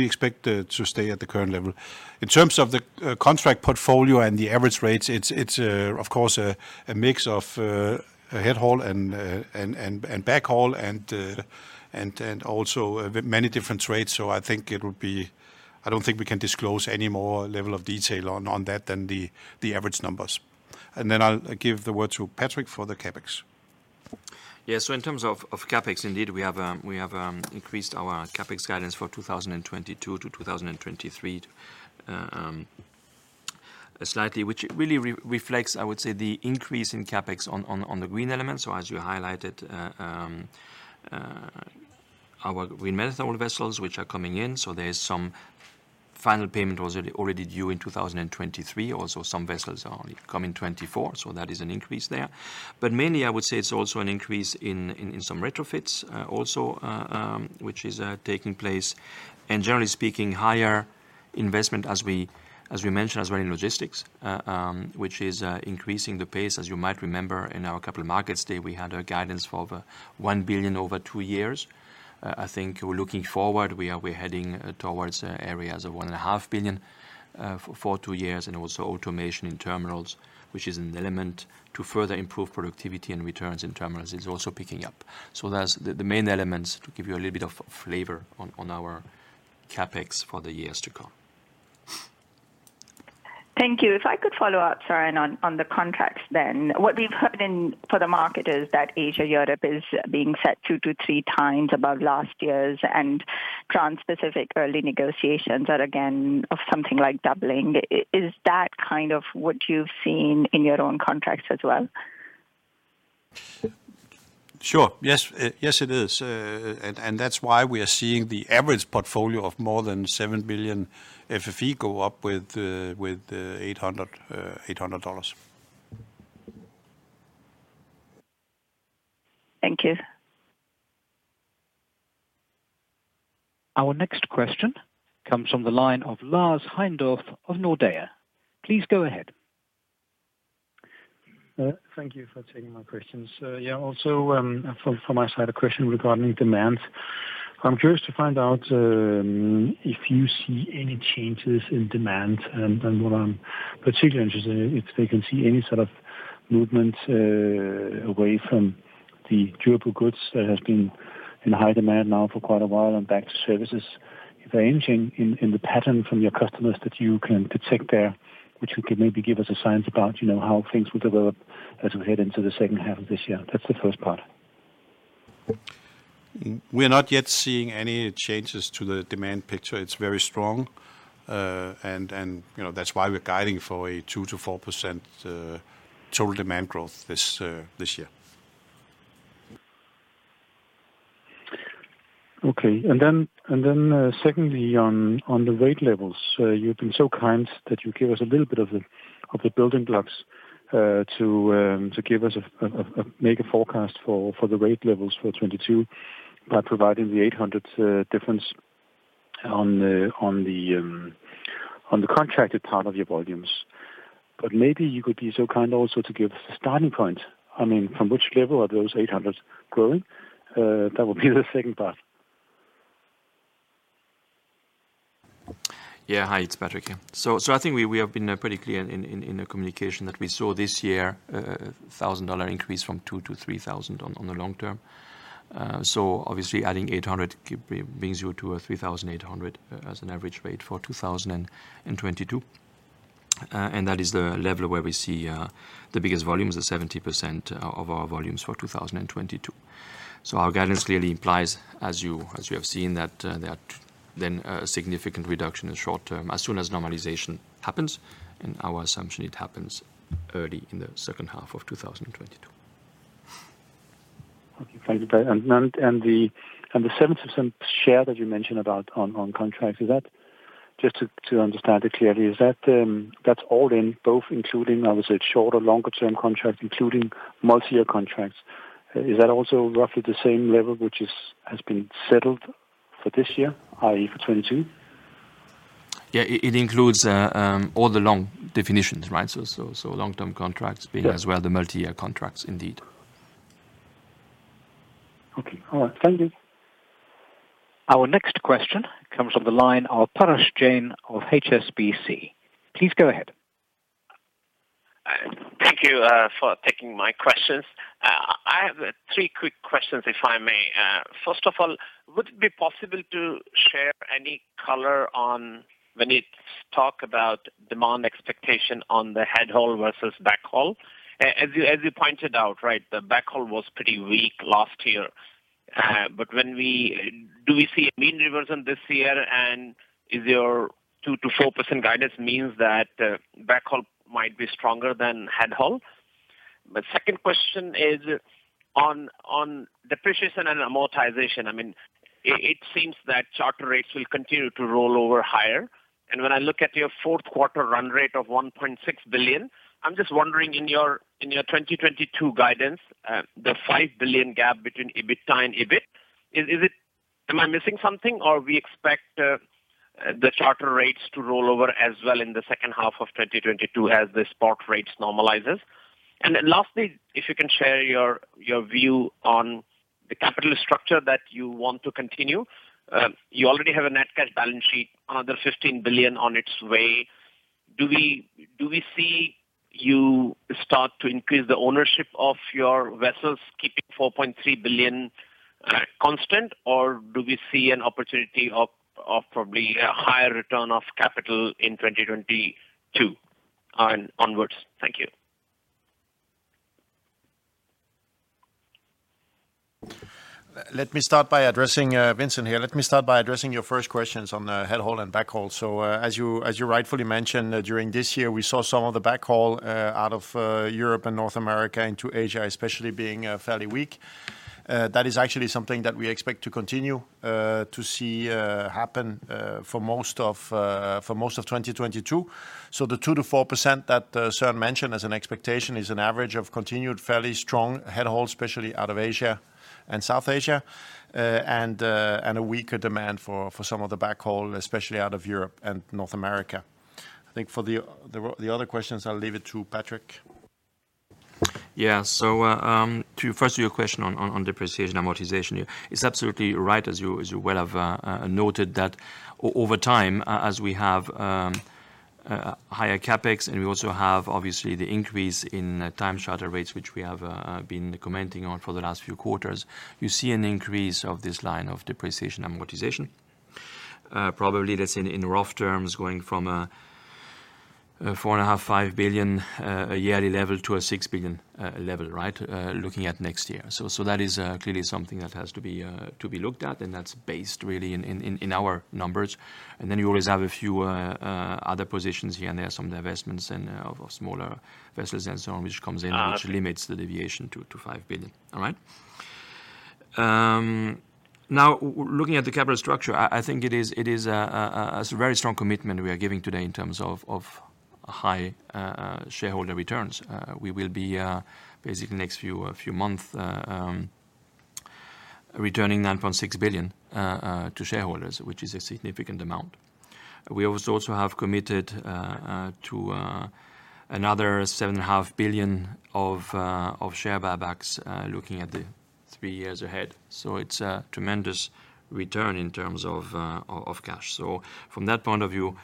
expect to stay at the current level. In terms of the contract portfolio and the average rates, it's of course a mix of head haul and back haul and also many different rates. I think it would be. I don't think we can disclose any more level of detail on that than the average numbers. Then I'll give the word to Patrick for the CapEx. Yeah. In terms of CapEx, indeed we have increased our CapEx guidance for 2022 to 2023, slightly, which really reflects, I would say, the increase in CapEx on the green elements. As you highlighted, our green methanol vessels, which are coming in. There is some final payment was already due in 2023. Also, some vessels are coming 2024, so that is an increase there. Mainly, I would say it's also an increase in some retrofits, also, which is taking place. Generally speaking, higher investment as we mentioned, as well in logistics, which is increasing the pace. As you might remember in our Capital Markets Day, we had a guidance for over $1 billion over two years. I think we're looking forward. We're heading towards areas of $1.5 billion for two years, and also automation in terminals, which is an element to further improve productivity and returns in terminals, is also picking up. That's the main elements to give you a little bit of flavor on our CapEx for the years to come. Thank you. If I could follow up, Søren, on the contracts then. What we've heard in the market is that Asia-Europe is being set 2-3x above last year's and Trans-Pacific early negotiations are again on something like doubling. Is that kind of what you've seen in your own contracts as well? Sure. Yes, it is. That's why we are seeing the average portfolio of more than 7 billion FFE go up with the $800. Thank you. Our next question comes from the line of Lars Heindorff of Nordea. Please go ahead. Thank you for taking my questions. From my side, a question regarding demand. I'm curious to find out if you see any changes in demand, and what I'm particularly interested in, if they can see any sort of movement away from the durable goods that has been in high demand now for quite a while and back to services. If anything in the pattern from your customers that you can detect there, which you can maybe give us a sense about, you know, how things will develop as we head into the second half of this year. That's the first part. We're not yet seeing any changes to the demand picture. It's very strong. You know, that's why we're guiding for 2%-4% total demand growth this year. Okay. Secondly on the rate levels. You've been so kind that you give us a little bit of the building blocks to make a forecast for the rate levels for 2022 by providing the $800 difference on the contracted part of your volumes. Maybe you could be so kind also to give us a starting point. I mean, from which level are those $800s growing? That would be the second part. Hi, it's Patrick here. I think we have been pretty clear in the communication that we saw this year $1,000 increase from $2,000-$3,000 on the long-term. Obviously adding $800 brings you to a $3,800 as an average rate for 2022. That is the level where we see the biggest volumes of 70% of our volumes for 2022. Our guidance clearly implies, as you have seen, that then a significant reduction in short-term as soon as normalization happens. In our assumption, it happens early in the second half of 2022. Okay. Thank you. The 7% share that you mentioned about on contracts, is that, just to understand it clearly, is that's all in both including, I would say, shorter, longer term contracts, including multi-year contracts. Is that also roughly the same level which is, has been settled for this year, i.e., for 2022? It includes all the long definitions, right? Long-term contracts being as well the multi-year contracts indeed. Okay. All right. Thank you. Our next question comes from the line of Parash Jain of HSBC. Please go ahead. Thank you for taking my questions. I have three quick questions, if I may. First of all, would it be possible to share any color on when it talk about demand expectation on the head haul versus back haul? As you pointed out, right, the back haul was pretty weak last year. But do we see a mean reversion this year? And is your 2%-4% guidance means that back haul might be stronger than head haul? The second question is on depreciation and amortization. I mean, it seems that charter rates will continue to roll over higher. When I look at your fourth quarter run rate of $1.6 billion, I'm just wondering in your 2022 guidance, the $5 billion gap between EBITDA and EBIT, is it? Am I missing something or we expect the charter rates to roll over as well in the second half of 2022 as the spot rates normalizes? Lastly, if you can share your view on the capital structure that you want to continue. You already have a net cash balance sheet, another $15 billion on its way. Do we see you start to increase the ownership of your vessels, keeping $4.3 billion constant, or do we see an opportunity of probably a higher return of capital in 2022 onwards? Thank you. Let me start by addressing, Vincent here. Let me start by addressing your first questions on the head haul and back haul. As you rightfully mentioned, during this year, we saw some of the back haul out of Europe and North America into Asia, especially being fairly weak. That is actually something that we expect to continue to see happen for most of 2022. The 2%-4% that Søren mentioned as an expectation is an average of continued fairly strong head haul, especially out of Asia and South Asia, and a weaker demand for some of the back haul, especially out of Europe and North America. I think for the other questions, I'll leave it to Patrick. To your first question on depreciation amortization, it's absolutely right as you well have noted that over time, as we have higher CapEx and we also have obviously the increase in time charter rates, which we have been commenting on for the last few quarters, you see an increase of this line of depreciation amortization. Probably that's in rough terms going from $4.5-$5 billion a yearly level to a $6 billion level, right, looking at next year. That is clearly something that has to be looked at, and that's based really in our numbers. You always have a few other positions here and there, some divestments and of smaller vessels and so on, which comes in. Uh- which limits the deviation to $5 billion. All right? Now, looking at the capital structure, I think it is. It's a very strong commitment we are giving today in terms of high shareholder returns. We will be basically next few months returning $9.6 billion to shareholders, which is a significant amount. We also have committed to another $7.5 billion of share buybacks, looking at the three years ahead. It's a tremendous return in terms of cash. From that point of view,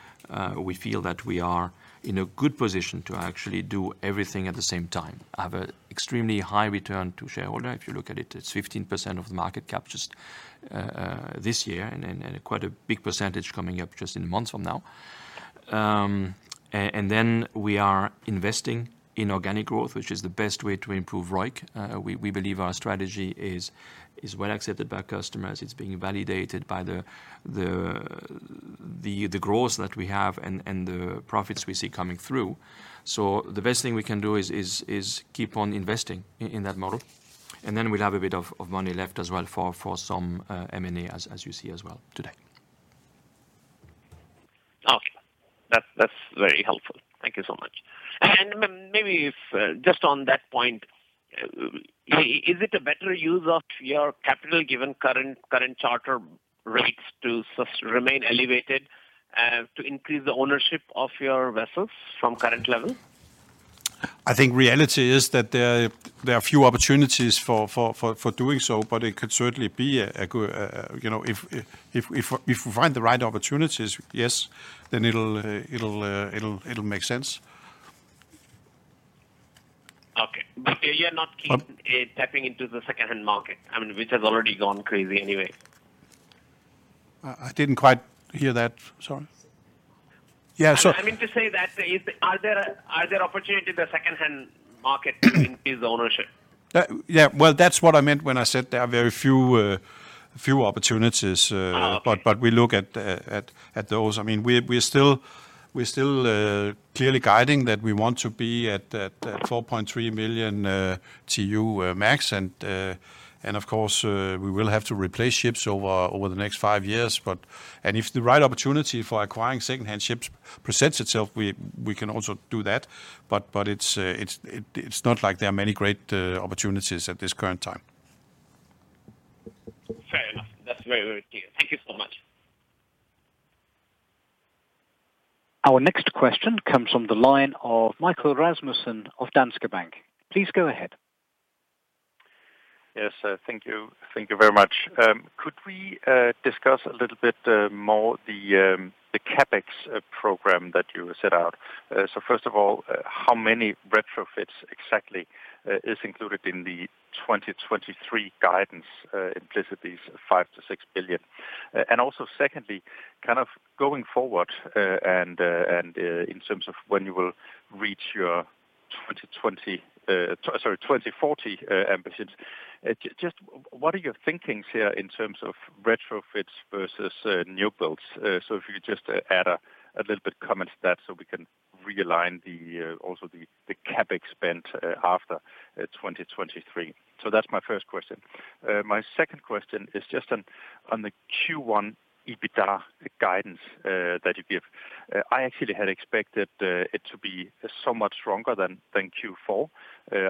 we feel that we are in a good position to actually do everything at the same time. I have a extremely high return to shareholder. If you look at it's 15% of market cap just this year, and quite a big percentage coming up just in months from now. We are investing in organic growth, which is the best way to improve ROIC. We believe our strategy is well accepted by customers. It's being validated by the growth that we have and the profits we see coming through. The best thing we can do is keep on investing in that model. We'll have a bit of money left as well for some M&A as you see as well today. Okay. That's very helpful. Thank you so much. Maybe if just on that point, is it a better use of your capital given current charter rates to remain elevated, to increase the ownership of your vessels from current level? I think reality is that there are few opportunities for doing so, but it could certainly be a good, you know, if we find the right opportunities, yes, then it'll make sense. Okay. Um- Tapping into the secondhand market, I mean, which has already gone crazy anyway. I didn't quite hear that. Sorry. Yeah. So. I mean, are there opportunities in the secondhand market to increase the ownership? Yeah. Well, that's what I meant when I said there are very few opportunities. Oh, okay. We look at those. I mean, we're still clearly guiding that we want to be at that 4.3 million TEU max. Of course, we will have to replace ships over the next five years. But if the right opportunity for acquiring secondhand ships presents itself, we can also do that. But it's not like there are many great opportunities at this current time. Fair enough. That's very, very clear. Thank you so much. Our next question comes from the line of Michael Rasmussen of Danske Bank. Please go ahead. Yes. Thank you. Thank you very much. Could we discuss a little bit more the CapEx program that you set out? So first of all, how many retrofits exactly is included in the 2023 guidance implicit these $5 billion-$6 billion? And also secondly, kind of going forward, in terms of when you will reach your 2020, sorry, 2040 ambitions, just what are your thinking here in terms of retrofits versus new builds? So if you could just add a little bit comment to that so we can Realign the CapEx spend after 2023. That's my first question. My second question is just on the Q1 EBITDA guidance that you give. I actually had expected it to be so much stronger than Q4.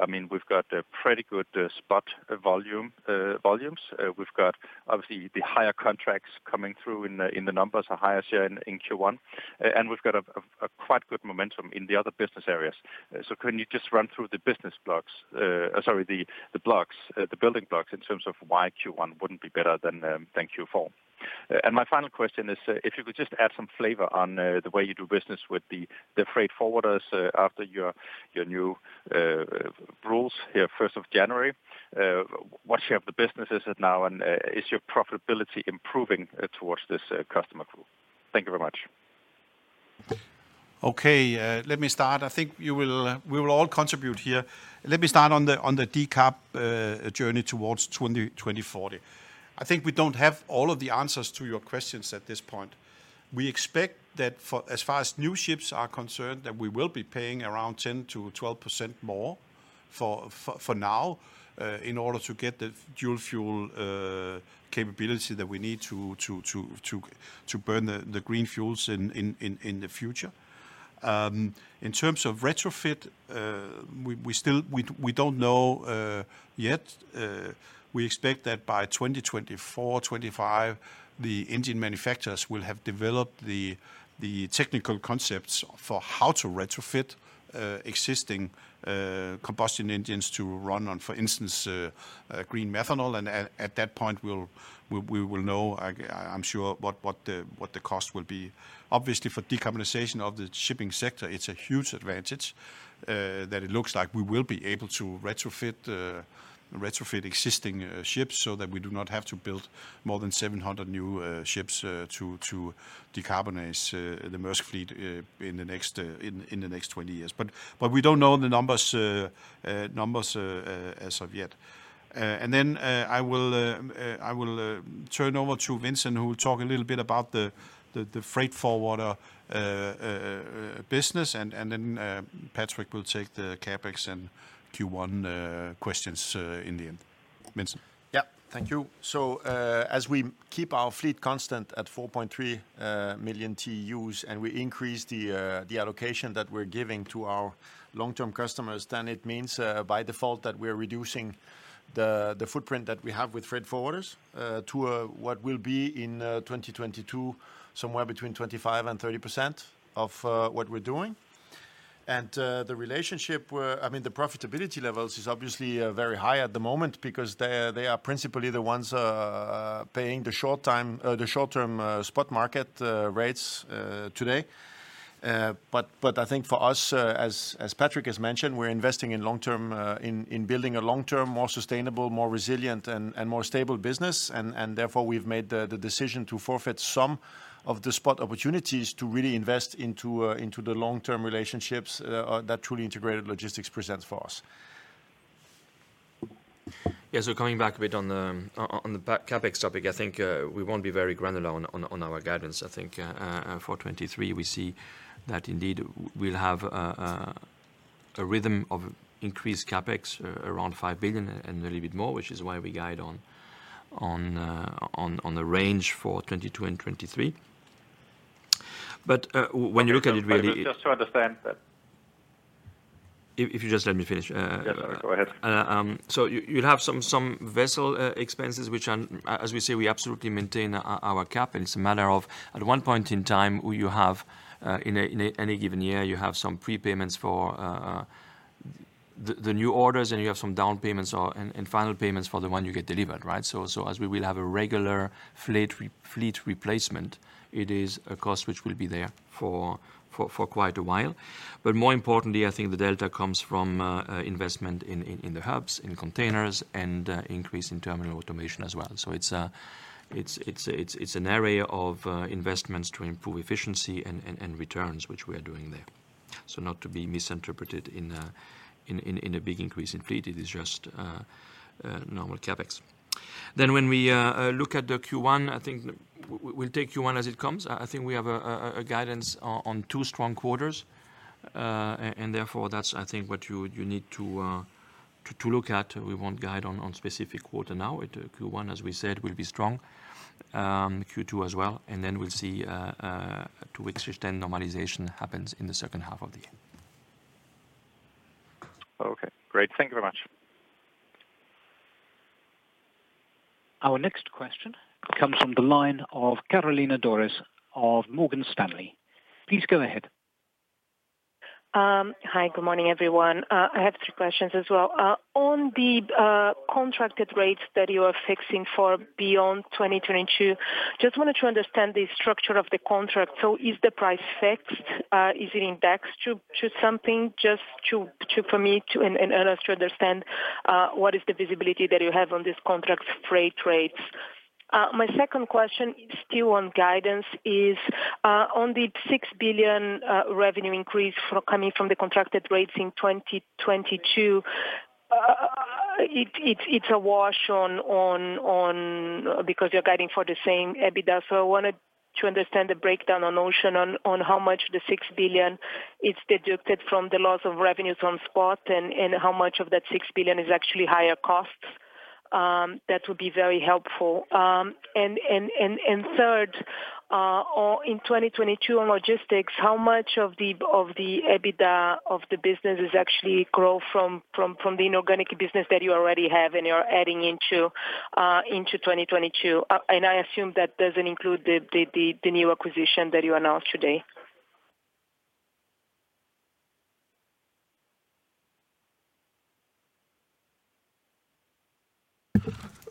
I mean, we've got a pretty good spot volumes. We've got obviously the higher contracts coming through in the numbers, a higher share in Q1. We've got a quite good momentum in the other business areas. Can you just run through the building blocks in terms of why Q1 wouldn't be better than Q4? My final question is, if you could just add some flavor on the way you do business with the freight forwarders after your new rules here 1st of January. What share of the business is it now, and is your profitability improving towards this customer group? Thank you very much. Okay. Let me start. I think we will all contribute here. Let me start on the decarb journey towards 2040. I think we don't have all of the answers to your questions at this point. We expect that for as far as new ships are concerned, that we will be paying around 10%-12% more for now in order to get the dual fuel capability that we need to burn the green fuels in the future. In terms of retrofit, we still don't know yet. We expect that by 2024-2025, the engine manufacturers will have developed the technical concepts for how to retrofit existing combustion engines to run on, for instance, green methanol. At that point, we will know, I'm sure what the cost will be. Obviously, for decarbonization of the shipping sector, it's a huge advantage that it looks like we will be able to retrofit existing ships so that we do not have to build more than 700 new ships to decarbonize the Maersk fleet in the next 20 years. We don't know the numbers as of yet. I will turn over to Vincent, who will talk a little bit about the freight forwarder business. Patrick will take the CapEx and Q1 questions in the end. Vincent. Yeah. Thank you. As we keep our fleet constant at 4.3 million TEUs, and we increase the allocation that we're giving to our long-term customers, then it means by default that we're reducing the footprint that we have with freight forwarders to what will be in 2022, somewhere between 25%-30% of what we're doing. The relationship, I mean, the profitability levels is obviously very high at the moment because they are principally the ones paying the short-term spot market rates today. But I think for us, as Patrick has mentioned, we're investing in long term in building a long term, more sustainable, more resilient, and more stable business. Therefore, we've made the decision to forfeit some of the spot opportunities to really invest into the long-term relationships that truly integrated logistics presents for us. Yes. Coming back a bit on the CapEx topic, I think we won't be very granular on our guidance. I think for 2023, we see that indeed we'll have a rhythm of increased CapEx around $5 billion and a little bit more, which is why we guide on the range for 2022 and 2023. When you look at it really- Just to understand that. If you just let me finish. Yeah. Go ahead. You'll have some vessel expenses which are, as we say, we absolutely maintain our CapEx, and it's a matter of at one point in time, you have in any given year, you have some prepayments for the new orders, and you have some down payments and final payments for the one you get delivered, right? As we will have a regular fleet re-fleet replacement, it is a cost which will be there for quite a while. More importantly, I think the delta comes from investment in the hubs, in containers, and increase in terminal automation as well. It's an area of investments to improve efficiency and returns, which we are doing there. Not to be misinterpreted in a big increase in fleet. It is just normal CapEx. When we look at the Q1, I think we'll take Q1 as it comes. I think we have a guidance on two strong quarters. Therefore, that's I think what you need to look at. We won't guide on specific quarter now. Q1, as we said, will be strong, Q2 as well, and then we'll see to which extent normalization happens in the second half of the year. Okay, great. Thank you very much. Our next question comes from the line of Carolina Dores of Morgan Stanley. Please go ahead. Hi. Good morning, everyone. I have three questions as well. On the contracted rates that you are fixing for beyond 2022, just wanted to understand the structure of the contract. Is the price fixed? Is it indexed to something? Just to for me and us to understand what is the visibility that you have on this contract freight rates. My second question is still on guidance, on the $6 billion revenue increase coming from the contracted rates in 2022. It it's a wash because you're guiding for the same EBITDA. I wanted to understand the breakdown on Ocean on how much the $6 billion is deducted from the loss of revenues on spot and how much of that $6 billion is actually higher costs. That would be very helpful. Third, in 2022 on logistics, how much of the EBITDA of the business is actually growth from the inorganic business that you already have and you're adding into 2022? I assume that doesn't include the new acquisition that you announced today.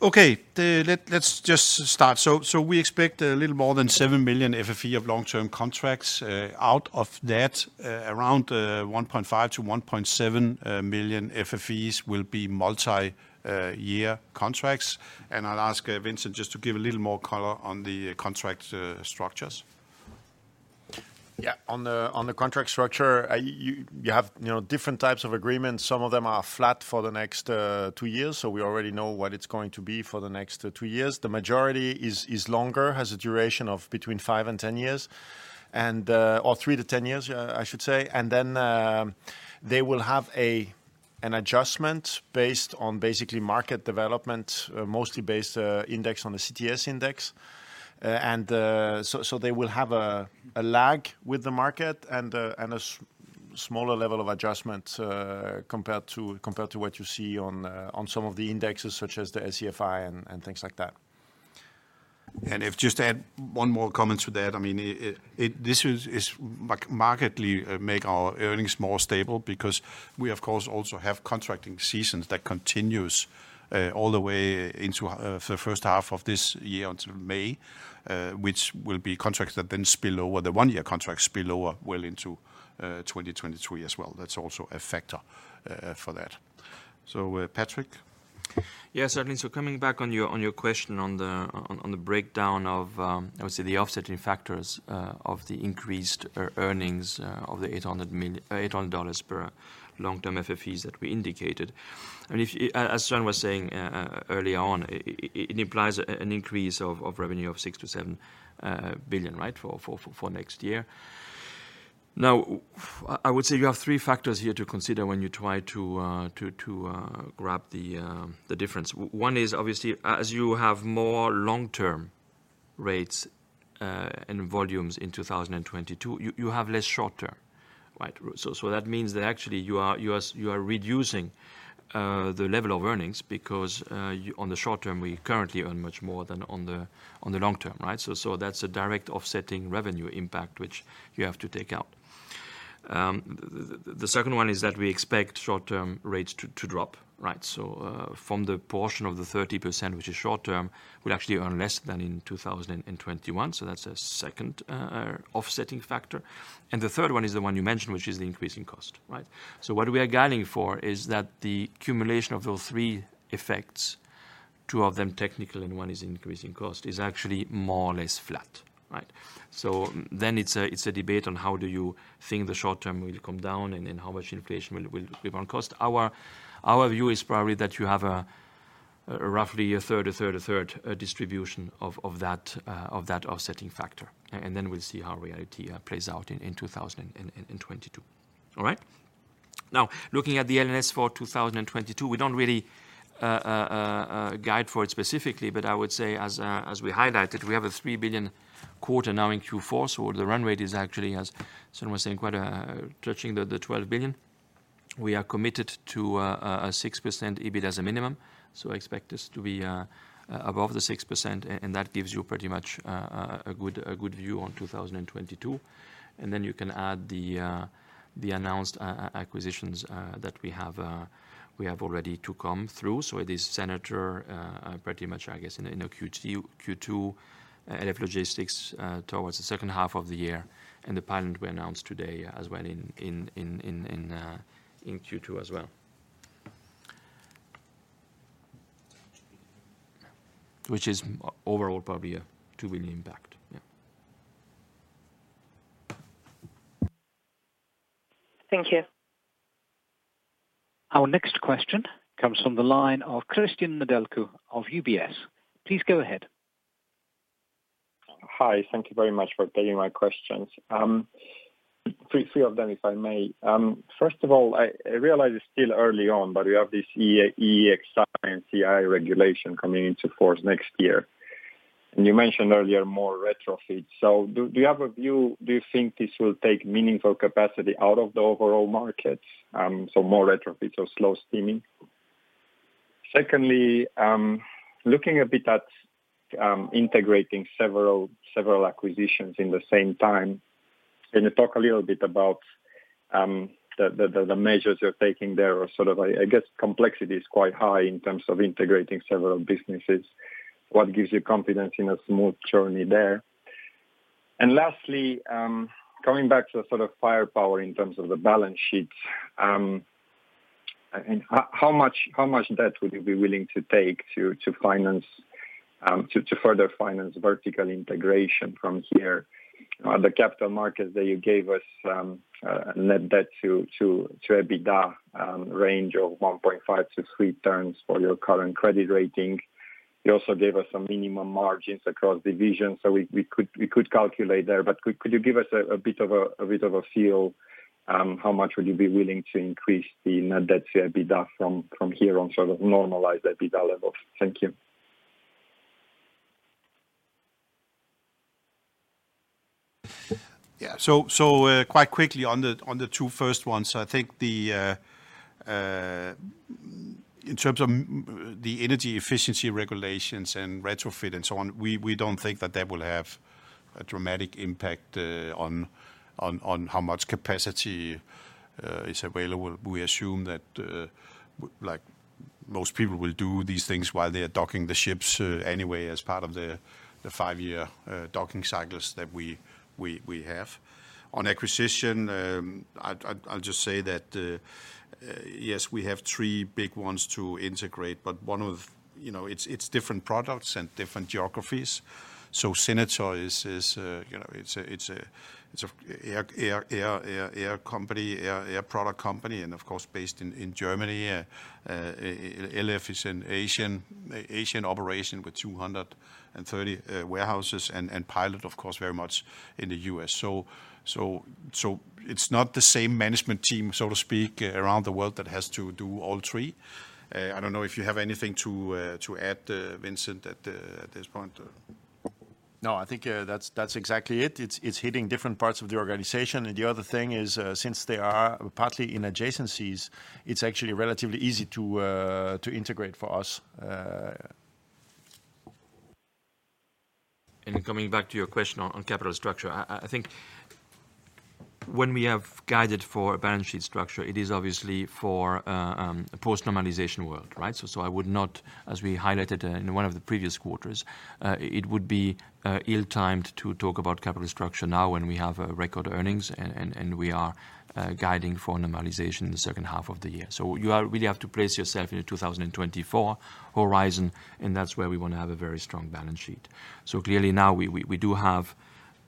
Let's just start. We expect a little more than 7 million FFE of long-term contracts. Out of that, around 1.5 million-1.7 million FFEs will be multi-year contracts. I'll ask Vincent just to give a little more color on the contract structures. Yeah. On the contract structure, you have, you know, different types of agreements. Some of them are flat for the next two years, so we already know what it's going to be for the next two years. The majority is longer, has a duration of between five and 10 years or three to 10 years, I should say. They will have an adjustment based on basically market development, mostly based on the CTS index. So they will have a lag with the market and a smaller level of adjustment compared to what you see on some of the indexes, such as the SCFI and things like that. Just add one more comment to that. I mean, it is markedly making our earnings more stable because we of course also have contracting seasons that continue all the way into the first half of this year until May, which will be contracts that then spill over. The one-year contracts spill over well into 2023 as well. That's also a factor for that. Patrick. Yeah, certainly. Coming back on your question on the breakdown of obviously the offsetting factors of the increased earnings of the $800 per long-term FFEs that we indicated. I mean, if as Søren was saying early on, it implies an increase of revenue of $6 billion-$7 billion, right, for next year. Now, I would say you have three factors here to consider when you try to grasp the difference. One is obviously as you have more long-term rates and volumes in 2022, you have less short-term, right? So that means that actually you are reducing the level of earnings because you On the short-term, we currently earn much more than on the long-term, right? That's a direct offsetting revenue impact, which you have to take out. The second one is that we expect short-term rates to drop, right? From the portion of the 30%, which is short-term, we'll actually earn less than in 2021, so that's a second offsetting factor. The third one is the one you mentioned, which is the increasing cost, right? What we are guiding for is that the accumulation of those three effects, two of them technical and one is increasing cost, is actually more or less flat, right? It's a debate on how do you think the short-term will come down and how much inflation will cost. Our view is probably that you have a roughly a third distribution of that offsetting factor. Then we'll see how reality plays out in 2022. All right. Now, looking at the L&S for 2022, we don't really guide for it specifically, but I would say as we highlighted, we have a $3 billion quarter now in Q4, so the run rate is actually, as Søren was saying, quite touching the $12 billion. We are committed to a 6% EBIT as a minimum. Expect this to be above the 6%, and that gives you pretty much a good view on 2022. You can add the announced acquisitions that we have already to come through. It is Senator pretty much, I guess, in, you know, Q2, LF Logistics towards the second half of the year, and the Pilot we announced today as well in Q2 as well. Which is overall probably a $2 billion impact. Yeah. Thank you. Our next question comes from the line of Cristian Nedelcu of UBS. Please go ahead. Hi. Thank you very much for taking my questions. Three of them, if I may. First of all, I realize it's still early on, but you have this EEXI and CII regulation coming into force next year. You mentioned earlier more retrofits. Do you have a view? Do you think this will take meaningful capacity out of the overall markets, so more retrofits or slow steaming? Secondly, looking a bit at integrating several acquisitions at the same time. Can you talk a little bit about the measures you are taking there or sort of. I guess complexity is quite high in terms of integrating several businesses. What gives you confidence in a smooth journey there? Lastly, coming back to the sort of firepower in terms of the balance sheet, and how much debt would you be willing to take to further finance vertical integration from here. The capital markets that you gave us, net debt to EBITDA range of 1.5-3x for your current credit rating. You also gave us some minimum margins across divisions, so we could calculate there. Could you give us a bit of a feel, how much would you be willing to increase the net debt to EBITDA from here on, sort of normalized EBITDA level? Thank you. Yeah. Quite quickly on the two first ones, I think in terms of the energy efficiency regulations and retrofit and so on, we don't think that they will have a dramatic impact on how much capacity is available. We assume that like most people will do these things while they are docking the ships anyway as part of the five-year docking cycles that we have. On acquisition, I'll just say that yes, we have three big ones to integrate, but one of. You know, it's different products and different geographies. Senator is, you know, it's a air company, air product company, and of course based in Germany. LF Logistics is an Asian operation with 230 warehouses. Pilot, of course, very much in the U.S. It's not the same management team, so to speak, around the world that has to do all three. I don't know if you have anything to add, Vincent, at this point. No, I think that's exactly it. It's hitting different parts of the organization. The other thing is, since they are partly in adjacencies, it's actually relatively easy to integrate for us. Coming back to your question on capital structure. I think when we have guided for a balance sheet structure, it is obviously for a post-normalization world, right? I would not, as we highlighted in one of the previous quarters, it would be ill-timed to talk about capital structure now when we have record earnings and we are guiding for normalization in the second half of the year. Really have to place yourself in a 2024 horizon, and that's where we wanna have a very strong balance sheet. Clearly now we do have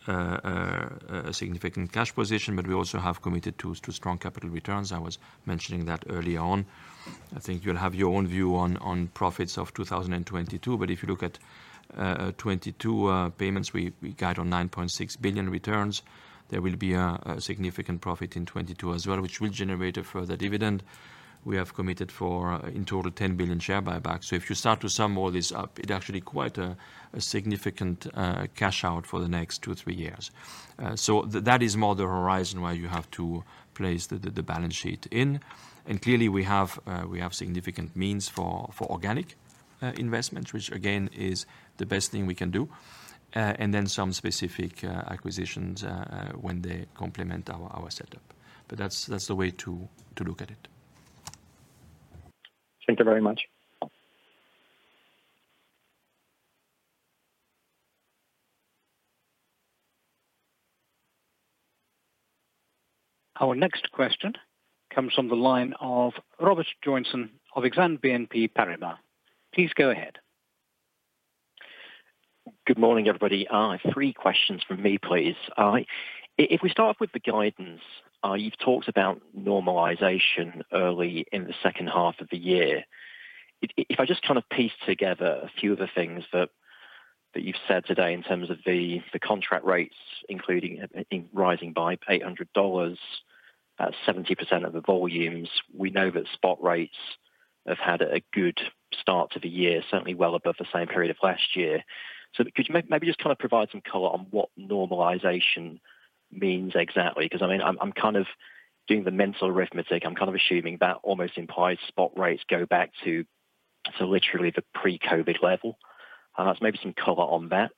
a significant cash position, but we also have committed to strong capital returns. I was mentioning that early on. I think you'll have your own view on profits of 2022. If you look at 2022 payments, we guide on $9.6 billion returns. There will be a significant profit in 2022 as well, which will generate a further dividend. We have committed for, in total, $10 billion share buyback. If you start to sum all this up, it actually quite a significant cash out for the next two to three years. That is more the horizon where you have to place the balance sheet in. Clearly, we have significant means for organic investment, which again is the best thing we can do. Some specific acquisitions when they complement our setup. That's the way to look at it. Thank you very much. Our next question comes from the line of Robert Joynson of Exane BNP Paribas. Please go ahead. Good morning, everybody. Three questions from me, please. If we start with the guidance, you've talked about normalization early in the second half of the year. If I just kind of piece together a few of the things that you've said today in terms of the contract rates, including, I think, rising by $800, at 70% of the volumes. We know that spot rates have had a good start to the year, certainly well above the same period of last year. Could you maybe just kind of provide some color on what normalization means exactly? Because I mean, I'm kind of doing the mental arithmetic. I'm kind of assuming that almost implies spot rates go back to literally the pre-COVID level. Maybe some color on that.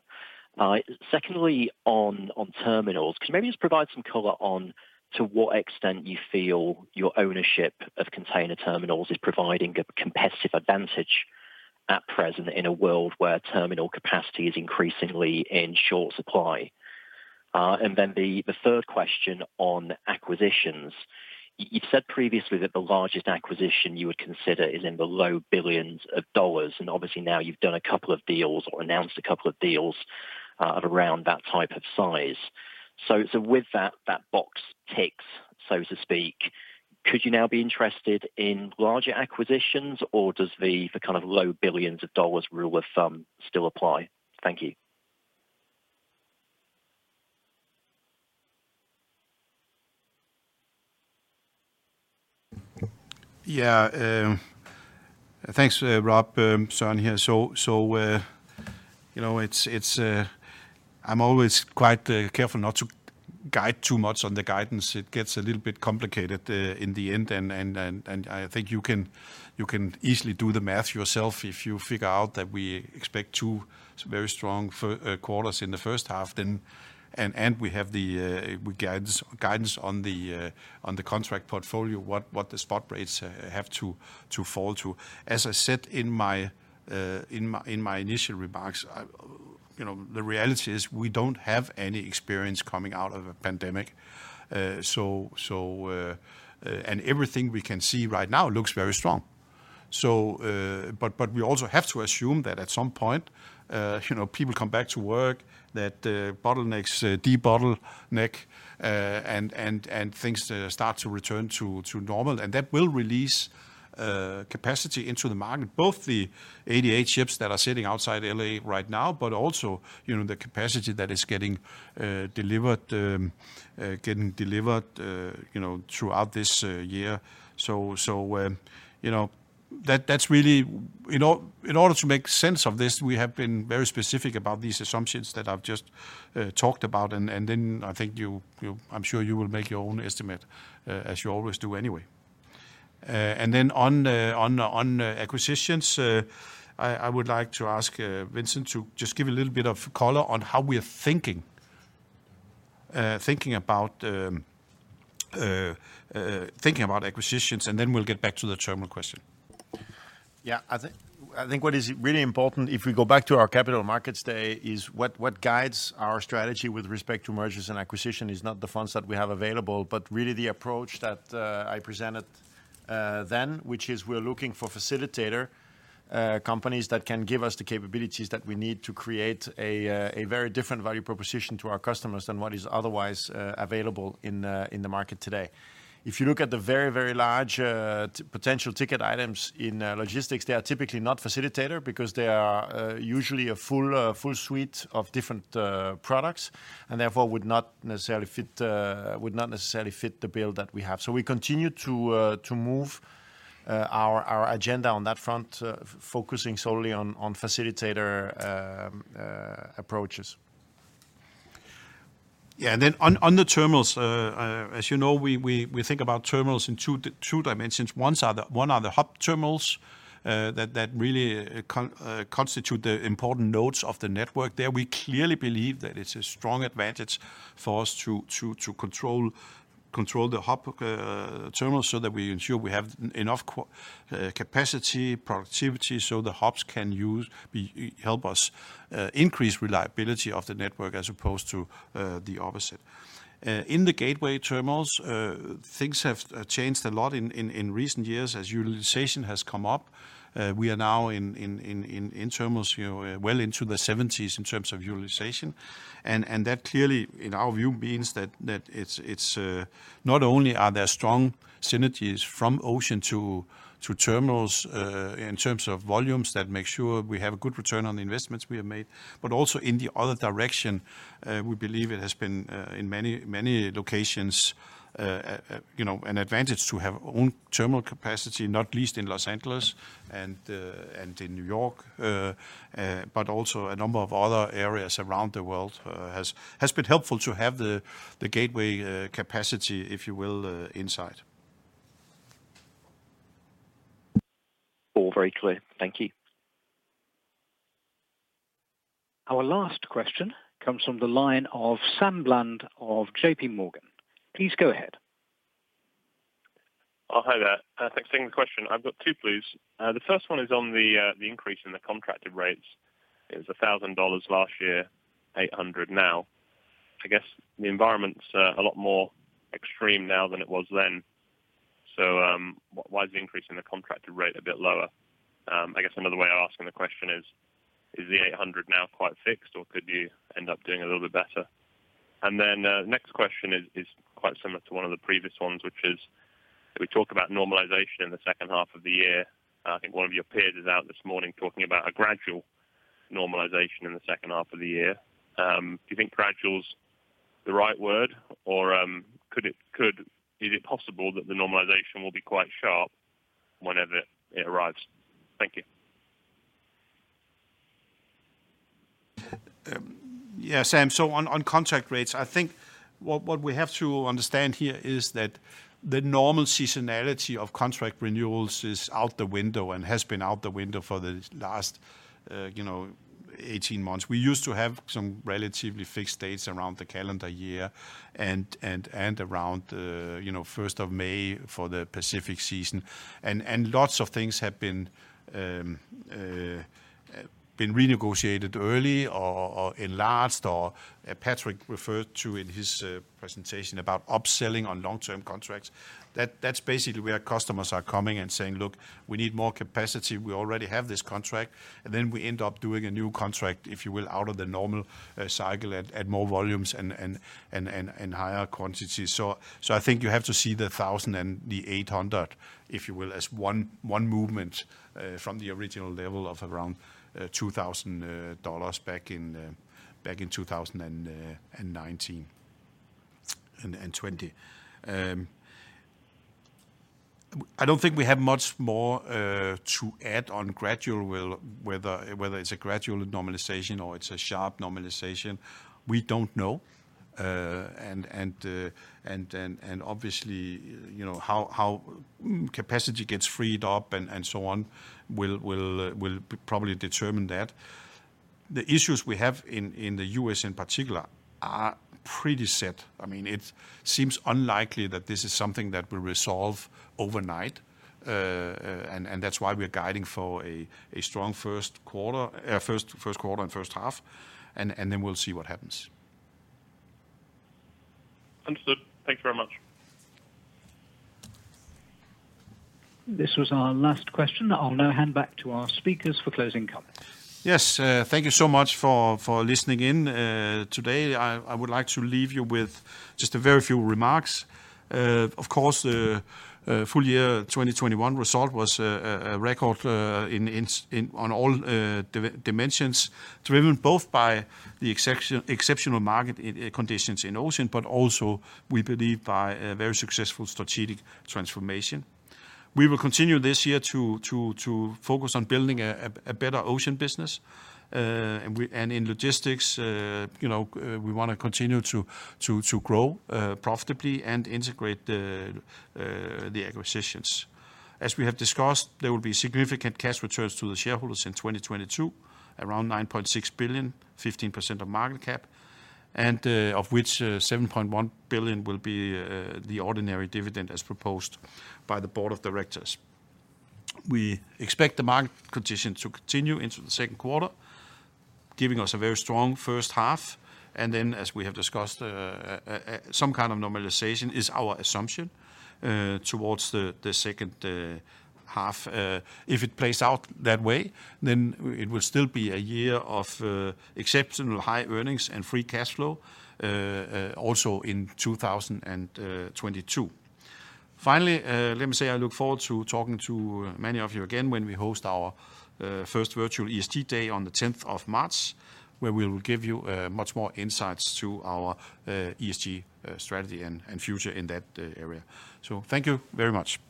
Secondly, on terminals, could you maybe just provide some color on to what extent you feel your ownership of container terminals is providing a competitive advantage at present in a world where terminal capacity is increasingly in short supply? Then the third question on acquisitions. You've said previously that the largest acquisition you would consider is in the low billions of dollars, and obviously now you've done a couple of deals or announced a couple of deals at around that type of size. So with that box ticks, so to speak, could you now be interested in larger acquisitions or does the kind of low billions of dollars rule of thumb still apply? Thank you. Yeah. Thanks, Rob. Søren here. You know, it's, I'm always quite careful not to guide too much on the guidance. It gets a little bit complicated in the end. I think you can easily do the math yourself if you figure out that we expect two very strong first quarters in the first half, then we have the guidance on the contract portfolio, what the spot rates have to fall to. As I said in my initial remarks, you know, the reality is we don't have any experience coming out of a pandemic. Everything we can see right now looks very strong. But we also have to assume that at some point, you know, people come back to work, that bottlenecks de-bottleneck, and things start to return to normal, and that will release capacity into the market, both the 88 ships that are sitting outside L.A. right now, but also, you know, the capacity that is getting delivered, you know, throughout this year. You know, that's really. You know, in order to make sense of this, we have been very specific about these assumptions that I've just talked about, and then I think you. I'm sure you will make your own estimate, as you always do anyway. On acquisitions, I would like to ask Vincent to just give a little bit of color on how we're thinking about acquisitions, and then we'll get back to the terminal question. I think what is really important, if we go back to our Capital Markets Day, is what guides our strategy with respect to mergers and acquisitions is not the funds that we have available, but really the approach that I presented then, which is we're looking for facilitator companies that can give us the capabilities that we need to create a very different value proposition to our customers than what is otherwise available in the market today. If you look at the very large-ticket items in logistics, they are typically not facilitator because they are usually a full suite of different products, and therefore would not necessarily fit the bill that we have. We continue to move our agenda on that front, focusing solely on facilitator approaches. Yeah. On the terminals, as you know, we think about terminals in two dimensions. One are the hub terminals that really constitute the important nodes of the network. There we clearly believe that it's a strong advantage for us to control the hub terminals so that we ensure we have enough capacity, productivity, so the hubs can help us increase reliability of the network as opposed to the opposite. In the gateway terminals, things have changed a lot in recent years as utilization has come up. We are now in terminals, you know, well into the 70s% in terms of utilization. That clearly, in our view, means that it's not only are there strong synergies from ocean to terminals in terms of volumes that make sure we have a good return on the investments we have made, but also in the other direction. We believe it has been in many locations you know, an advantage to have own terminal capacity, not least in Los Angeles and in New York, but also a number of other areas around the world. It has been helpful to have the gateway capacity, if you will, inside. All very clear. Thank you. Our last question comes from the line of Sam Bland of JP Morgan. Please go ahead. Oh, hi there. Thanks for taking the question. I've got two, please. The first one is on the increase in the contracted rates. It was $1,000 last year, $800 now. I guess the environment's a lot more extreme now than it was then. Why is the increase in the contracted rate a bit lower? I guess another way of asking the question is the $800 now quite fixed, or could you end up doing a little bit better? The next question is quite similar to one of the previous ones, which is we talk about normalization in the second half of the year. I think one of your peers is out this morning talking about a gradual normalization in the second half of the year. Do you think gradual's the right word or is it possible that the normalization will be quite sharp whenever it arrives? Thank you. Yeah, Sam. On contract rates, I think what we have to understand here is that the normal seasonality of contract renewals is out the window and has been out the window for the last, you know, 18 months. We used to have some relatively fixed dates around the calendar year and around, you know, 1st of May for the Pacific season. Lots of things have been renegotiated early or enlarged or Patrick referred to in his presentation about upselling on long-term contracts. That's basically where customers are coming and saying, "Look, we need more capacity. We already have this contract." And then we end up doing a new contract, if you will, out of the normal cycle at more volumes and higher quantities. I think you have to see the 1,000 and the 800, if you will, as one movement from the original level of around $2,000 back in 2019 and 2020. I don't think we have much more to add on gradual, whether it's a gradual normalization or it's a sharp normalization, we don't know. Obviously, you know, how capacity gets freed up and so on will probably determine that. The issues we have in the U.S. in particular are pretty set. I mean, it seems unlikely that this is something that will resolve overnight. That's why we're guiding for a strong first quarter and first half, and then we'll see what happens. Understood. Thank you very much. This was our last question. I'll now hand back to our speakers for closing comments. Yes. Thank you so much for listening in. Today, I would like to leave you with just a very few remarks. Of course, the full-year 2021 result was a record in all dimensions, driven both by the exceptional market conditions in Ocean, but also we believe by a very successful strategic transformation. We will continue this year to focus on building a better Ocean business. In Logistics, you know, we wanna continue to grow profitably and integrate the acquisitions. As we have discussed, there will be significant cash returns to the shareholders in 2022, around $9.6 billion, 15% of market cap, and of which $7.1 billion will be the ordinary dividend as proposed by the board of directors. We expect the market condition to continue into the second quarter, giving us a very strong first half. Then as we have discussed, some kind of normalization is our assumption towards the second half. If it plays out that way, then it will still be a year of exceptional high earnings and free cash flow also in 2022. Finally, let me say I look forward to talking to many of you again when we host our first virtual ESG day on the 10th of March, where we'll give you much more insights into our ESG strategy and future in that area. Thank you very much.